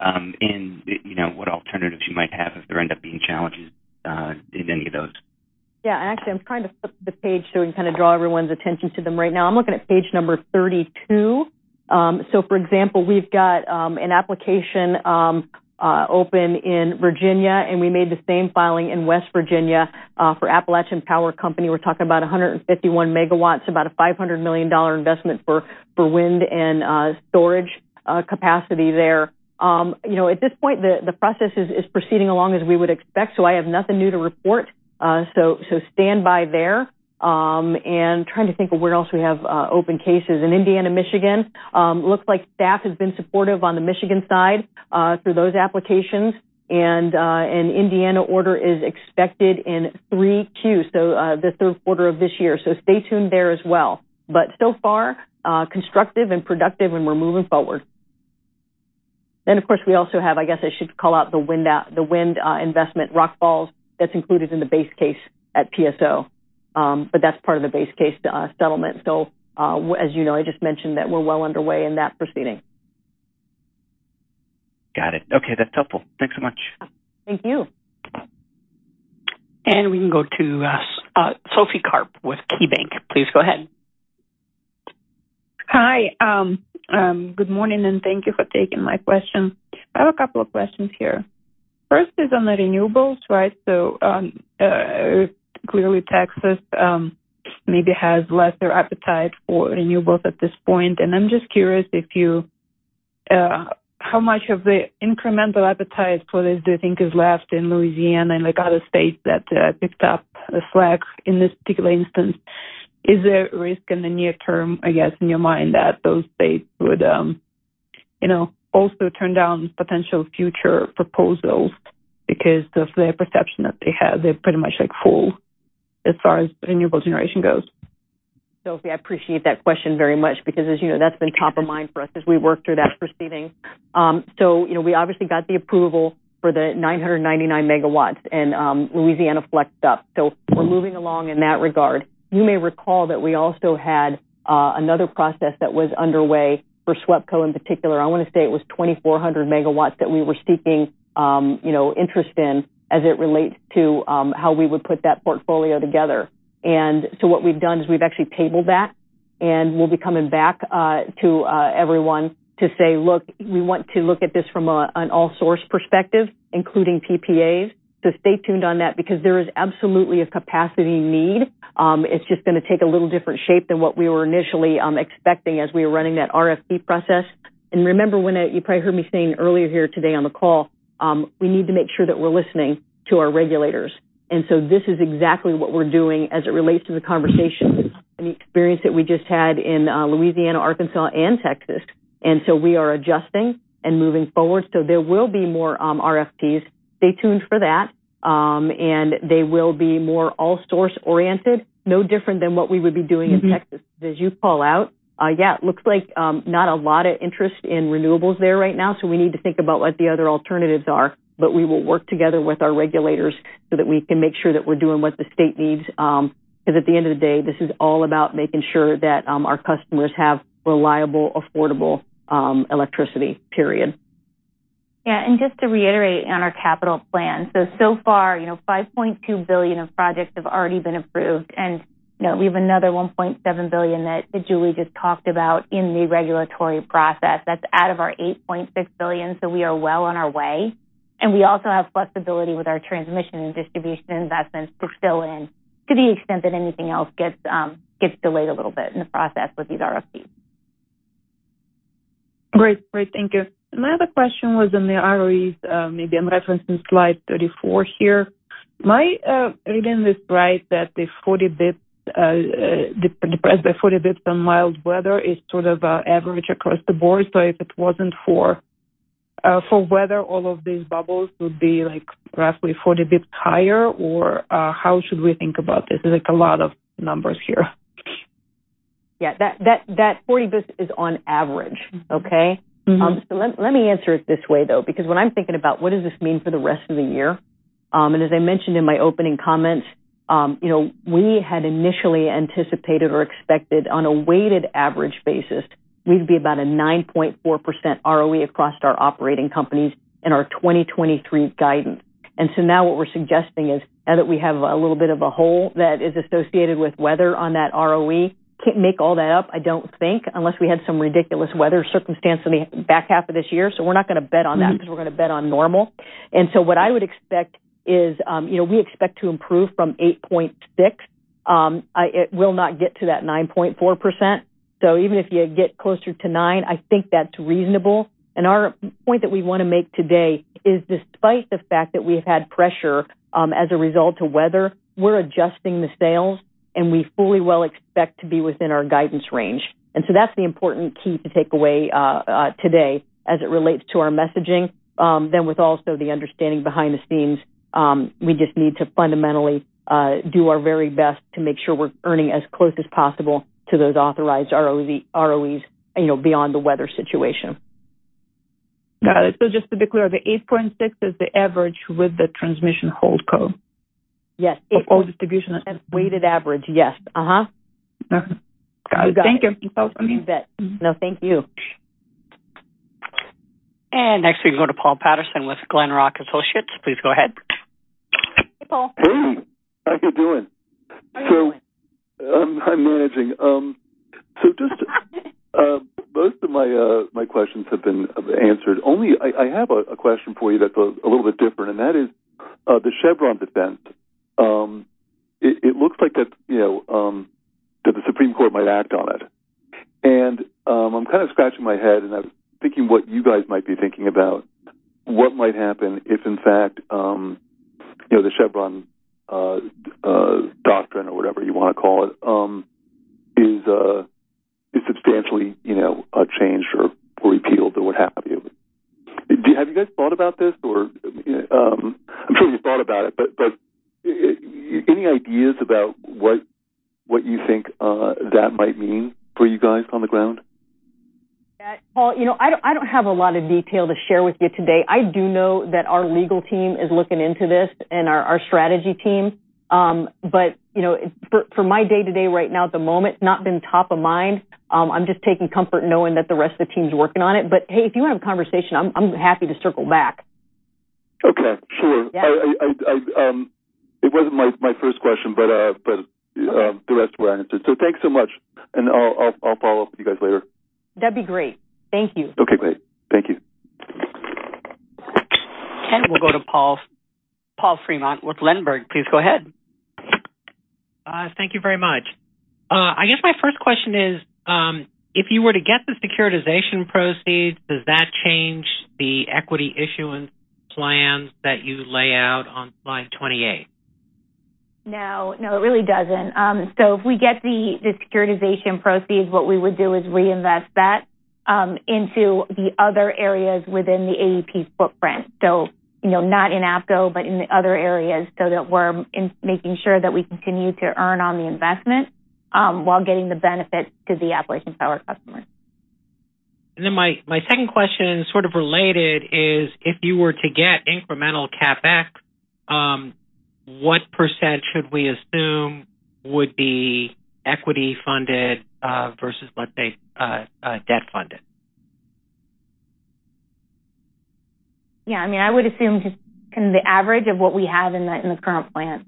and, you know, what alternatives you might have if there end up being challenges in any of those. Yeah, actually, I'm trying to flip to the page so we kind of draw everyone's attention to them right now. I'm looking at page number 32. For example, we've got an application open in Virginia, and we made the same filing in West Virginia for Appalachian Power Company. We're talking about 151 MW, about a $500 million investment for wind and storage capacity there. You know, at this point, the process is proceeding along as we would expect. I have nothing new to report. Stand by there. Trying to think of where else we have open cases. In Indiana, Michigan. Looks like staff has been supportive on the Michigan side through those applications, an Indiana order is expected in 3Q, the 3rd quarter of this year. Stay tuned there as well. So far, constructive and productive, and we're moving forward. Of course, we also have, I guess I should call out the wind investment, Rock Falls, that's included in the base case at PSO. That's part of the base case settlement. As you know, I just mentioned that we're well underway in that proceeding. Got it. Okay, that's helpful. Thanks so much. Thank you. We can go to Sophie Karp with KeyBanc Capital Markets. Please go ahead. Hi, good morning, and thank you for taking my question. I have a couple of questions here. First is on the renewables, right? Clearly, Texas maybe has lesser appetite for renewables at this point. I'm just curious if you, how much of the incremental appetite for this do you think is left in Louisiana and the other states that picked up the slack in this particular instance? Is there a risk in the near term, I guess, in your mind, that those states would, you know, also turn down potential future proposals because of the perception that they have? They're pretty much like full as far as renewable generation goes. Sophie, I appreciate that question very much because, as you know, that's been top of mind for us as we work through that proceeding. You know, we obviously got the approval for the 999 MW and, Louisiana flexed up. We're moving along in that regard. You may recall that we also had another process that was underway for SWEPCO in particular. I want to say it was 2,400 MW that we were seeking, you know, interest in as it relates to how we would put that portfolio together. What we've done is we've actually tabled that. And we'll be coming back to everyone to say, look, we want to look at this from an all source perspective, including PPAs. Stay tuned on that because there is absolutely a capacity need. It's just gonna take a little different shape than what we were initially expecting as we were running that RFP process. Remember, you probably heard me saying earlier here today on the call, we need to make sure that we're listening to our regulators. This is exactly what we're doing as it relates to the conversation and the experience that we just had in Louisiana, Arkansas, and Texas. We are adjusting and moving forward. There will be more RFPs. Stay tuned for that. They will be more all source-oriented, no different than what we would be doing in Texas. As you call out, yeah, it looks like not a lot of interest in renewables there right now, so we need to think about what the other alternatives are. We will work together with our regulators so that we can make sure that we're doing what the state needs. Because at the end of the day, this is all about making sure that our customers have reliable, affordable, electricity, period. Yeah, just to reiterate on our capital plan. So far, you know, $5.2 billion of projects have already been approved, and, you know, we have another $1.7 billion that Julie just talked about in the regulatory process. That's out of our $8.6 billion, so we are well on our way. We also have flexibility with our transmission and distribution investments to fill in, to the extent that anything else gets delayed a little bit in the process with these RFPs. Great. Great. Thank you. My other question was on the ROEs, maybe I'm referencing slide 34 here. My reading this right, that the 40 basis points depressed by 40 basis points on mild weather is sort of average across the board. If it wasn't for weather, all of these bubbles would be, like, roughly 40 basis points higher, or how should we think about this? There's, like, a lot of numbers here. Yeah, that 40 basis points is on average, okay? Mm-hmm. Let me answer it this way, though, because when I'm thinking about what does this mean for the rest of the year? As I mentioned in my opening comments, you know, we had initially anticipated or expected, on a weighted average basis, we'd be about a 9.4% ROE across our operating companies in our 2023 guidance. Now what we're suggesting is, now that we have a little bit of a hole that is associated with weather on that ROE, can't make all that up, I don't think, unless we had some ridiculous weather circumstance in the back half of this year. We're not gonna bet on that. Mm-hmm. because we're gonna bet on normal. What I would expect is, you know, we expect to improve from 8.6. It will not get to that 9.4%. Even if you get closer to nine, I think that's reasonable. Our point that we want to make today is despite the fact that we've had pressure, as a result of weather, we're adjusting the sails, and we fully well expect to be within our guidance range. That's the important key to take away today as it relates to our messaging. With also the understanding behind the scenes, we just need to fundamentally do our very best to make sure we're earning as close as possible to those authorized ROEs, you know, beyond the weather situation. Got it. Just to be clear, the 8.6 is the average with the Transmission Holdco? Yes. distribution- Weighted average, yes. Uh-huh. Okay. Got it. You got it. Thank you. You bet. No, thank you. Next, we go to Paul Patterson with Glenrock Associates. Please go ahead. Hey, Paul. Hey, how you doing? How are you? I'm managing. Most of my questions have been answered. Only I have a question for you that's a little bit different, and that is the Chevron deference. It looks like that, you know, that the Supreme Court might act on it. I'm kind of scratching my head, and I'm thinking what you guys might be thinking about what might happen if, in fact, you know, the Chevron doctrine or whatever you wanna call it, is substantially, you know, changed or repealed or what have you. Have you guys thought about this? I'm sure you've thought about it, but any ideas about what, what you think that might mean for you guys on the ground? Paul, you know, I don't have a lot of detail to share with you today. I do know that our legal team is looking into this and our strategy team. You know, for my day-to-day right now, at the moment, it's not been top of mind. I'm just taking comfort in knowing that the rest of the team's working on it. Hey, if you want to have a conversation, I'm happy to circle back. Okay, sure. Yeah. I, it wasn't my first question, but the rest were answered. Thanks so much, and I'll follow up with you guys later. That'd be great. Thank you. Okay, great. Thank you. We'll go to Paul Fremont with Ladenburg. Please go ahead. Thank you very much. I guess my first question is, if you were to get the securitization proceeds, does that change the equity issuance plans that you lay out on slide 28? No. No, it really doesn't. If we get the, the securitization proceeds, what we would do is reinvest that, into the other areas within the AEP footprint. You know, not in APCO, but in the other areas, so that we're making sure that we continue to earn on the investment, while getting the benefits to the Appalachian Power customers. My second question, sort of related, is if you were to get incremental CapEx, what % should we assume would be equity funded, versus, let's say, debt funded?... I mean, I would assume just kind of the average of what we have in the, in the current plan.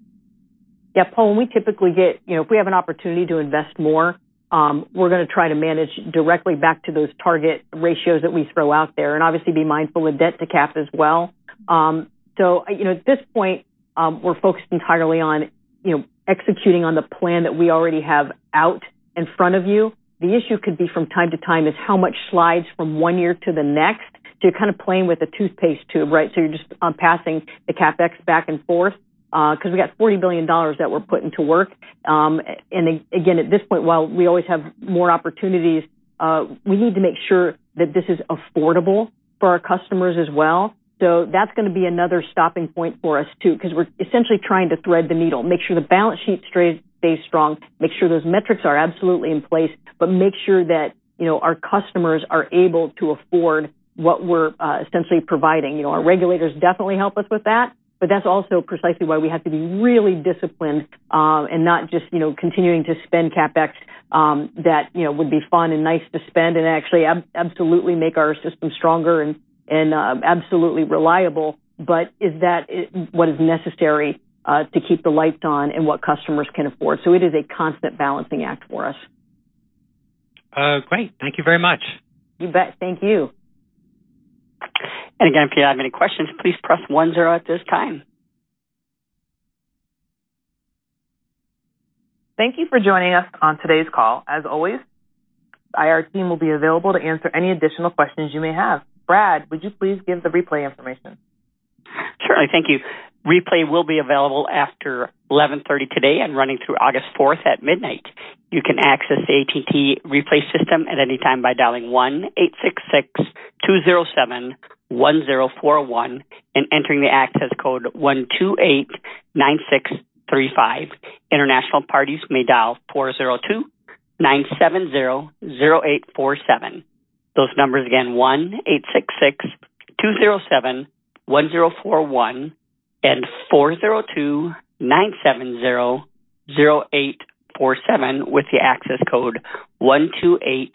Yeah, Paul, we typically get, you know, if we have an opportunity to invest more, we're going to try to manage directly back to those target ratios that we throw out there and obviously be mindful of debt to cap as well. At this point, we're focused entirely on, you know, executing on the plan that we already have out in front of you. The issue could be from time to time, is how much slides from one year to the next. You're kind of playing with a toothpaste tube, right? You're just passing the CapEx back and forth, because we got $40 billion that we're putting to work. Again, at this point, while we always have more opportunities, we need to make sure that this is affordable for our customers as well. That's going to be another stopping point for us, too, because we're essentially trying to thread the needle, make sure the balance sheet stays strong, make sure those metrics are absolutely in place, but make sure that, you know, our customers are able to afford what we're essentially providing. You know, our regulators definitely help us with that, but that's also precisely why we have to be really disciplined, and not just, you know, continuing to spend CapEx, that, you know, would be fun and nice to spend and actually absolutely make our system stronger and, and, absolutely reliable. Is that what is necessary to keep the lights on and what customers can afford? It is a constant balancing act for us. Great. Thank you very much. You bet. Thank you. Again, if you have any questions, please press one zero at this time. Thank you for joining us on today's call. As always, our team will be available to answer any additional questions you may have. Brad, would you please give the replay information? Sure. Thank you. Replay will be available after 11:30 A.M. today and running through August 4th at midnight. You can access the AT&T replay system at any time by dialing 1-866-207-1041 and entering the access code 1289635. International parties may dial 402-970-0847. Those numbers again 1-866-207-1041 and 402-970-0847, with the access code 1289635.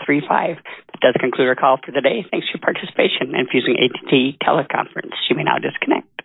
That does conclude our call for today. Thanks for your participation in using AT&T teleconference. You may now disconnect.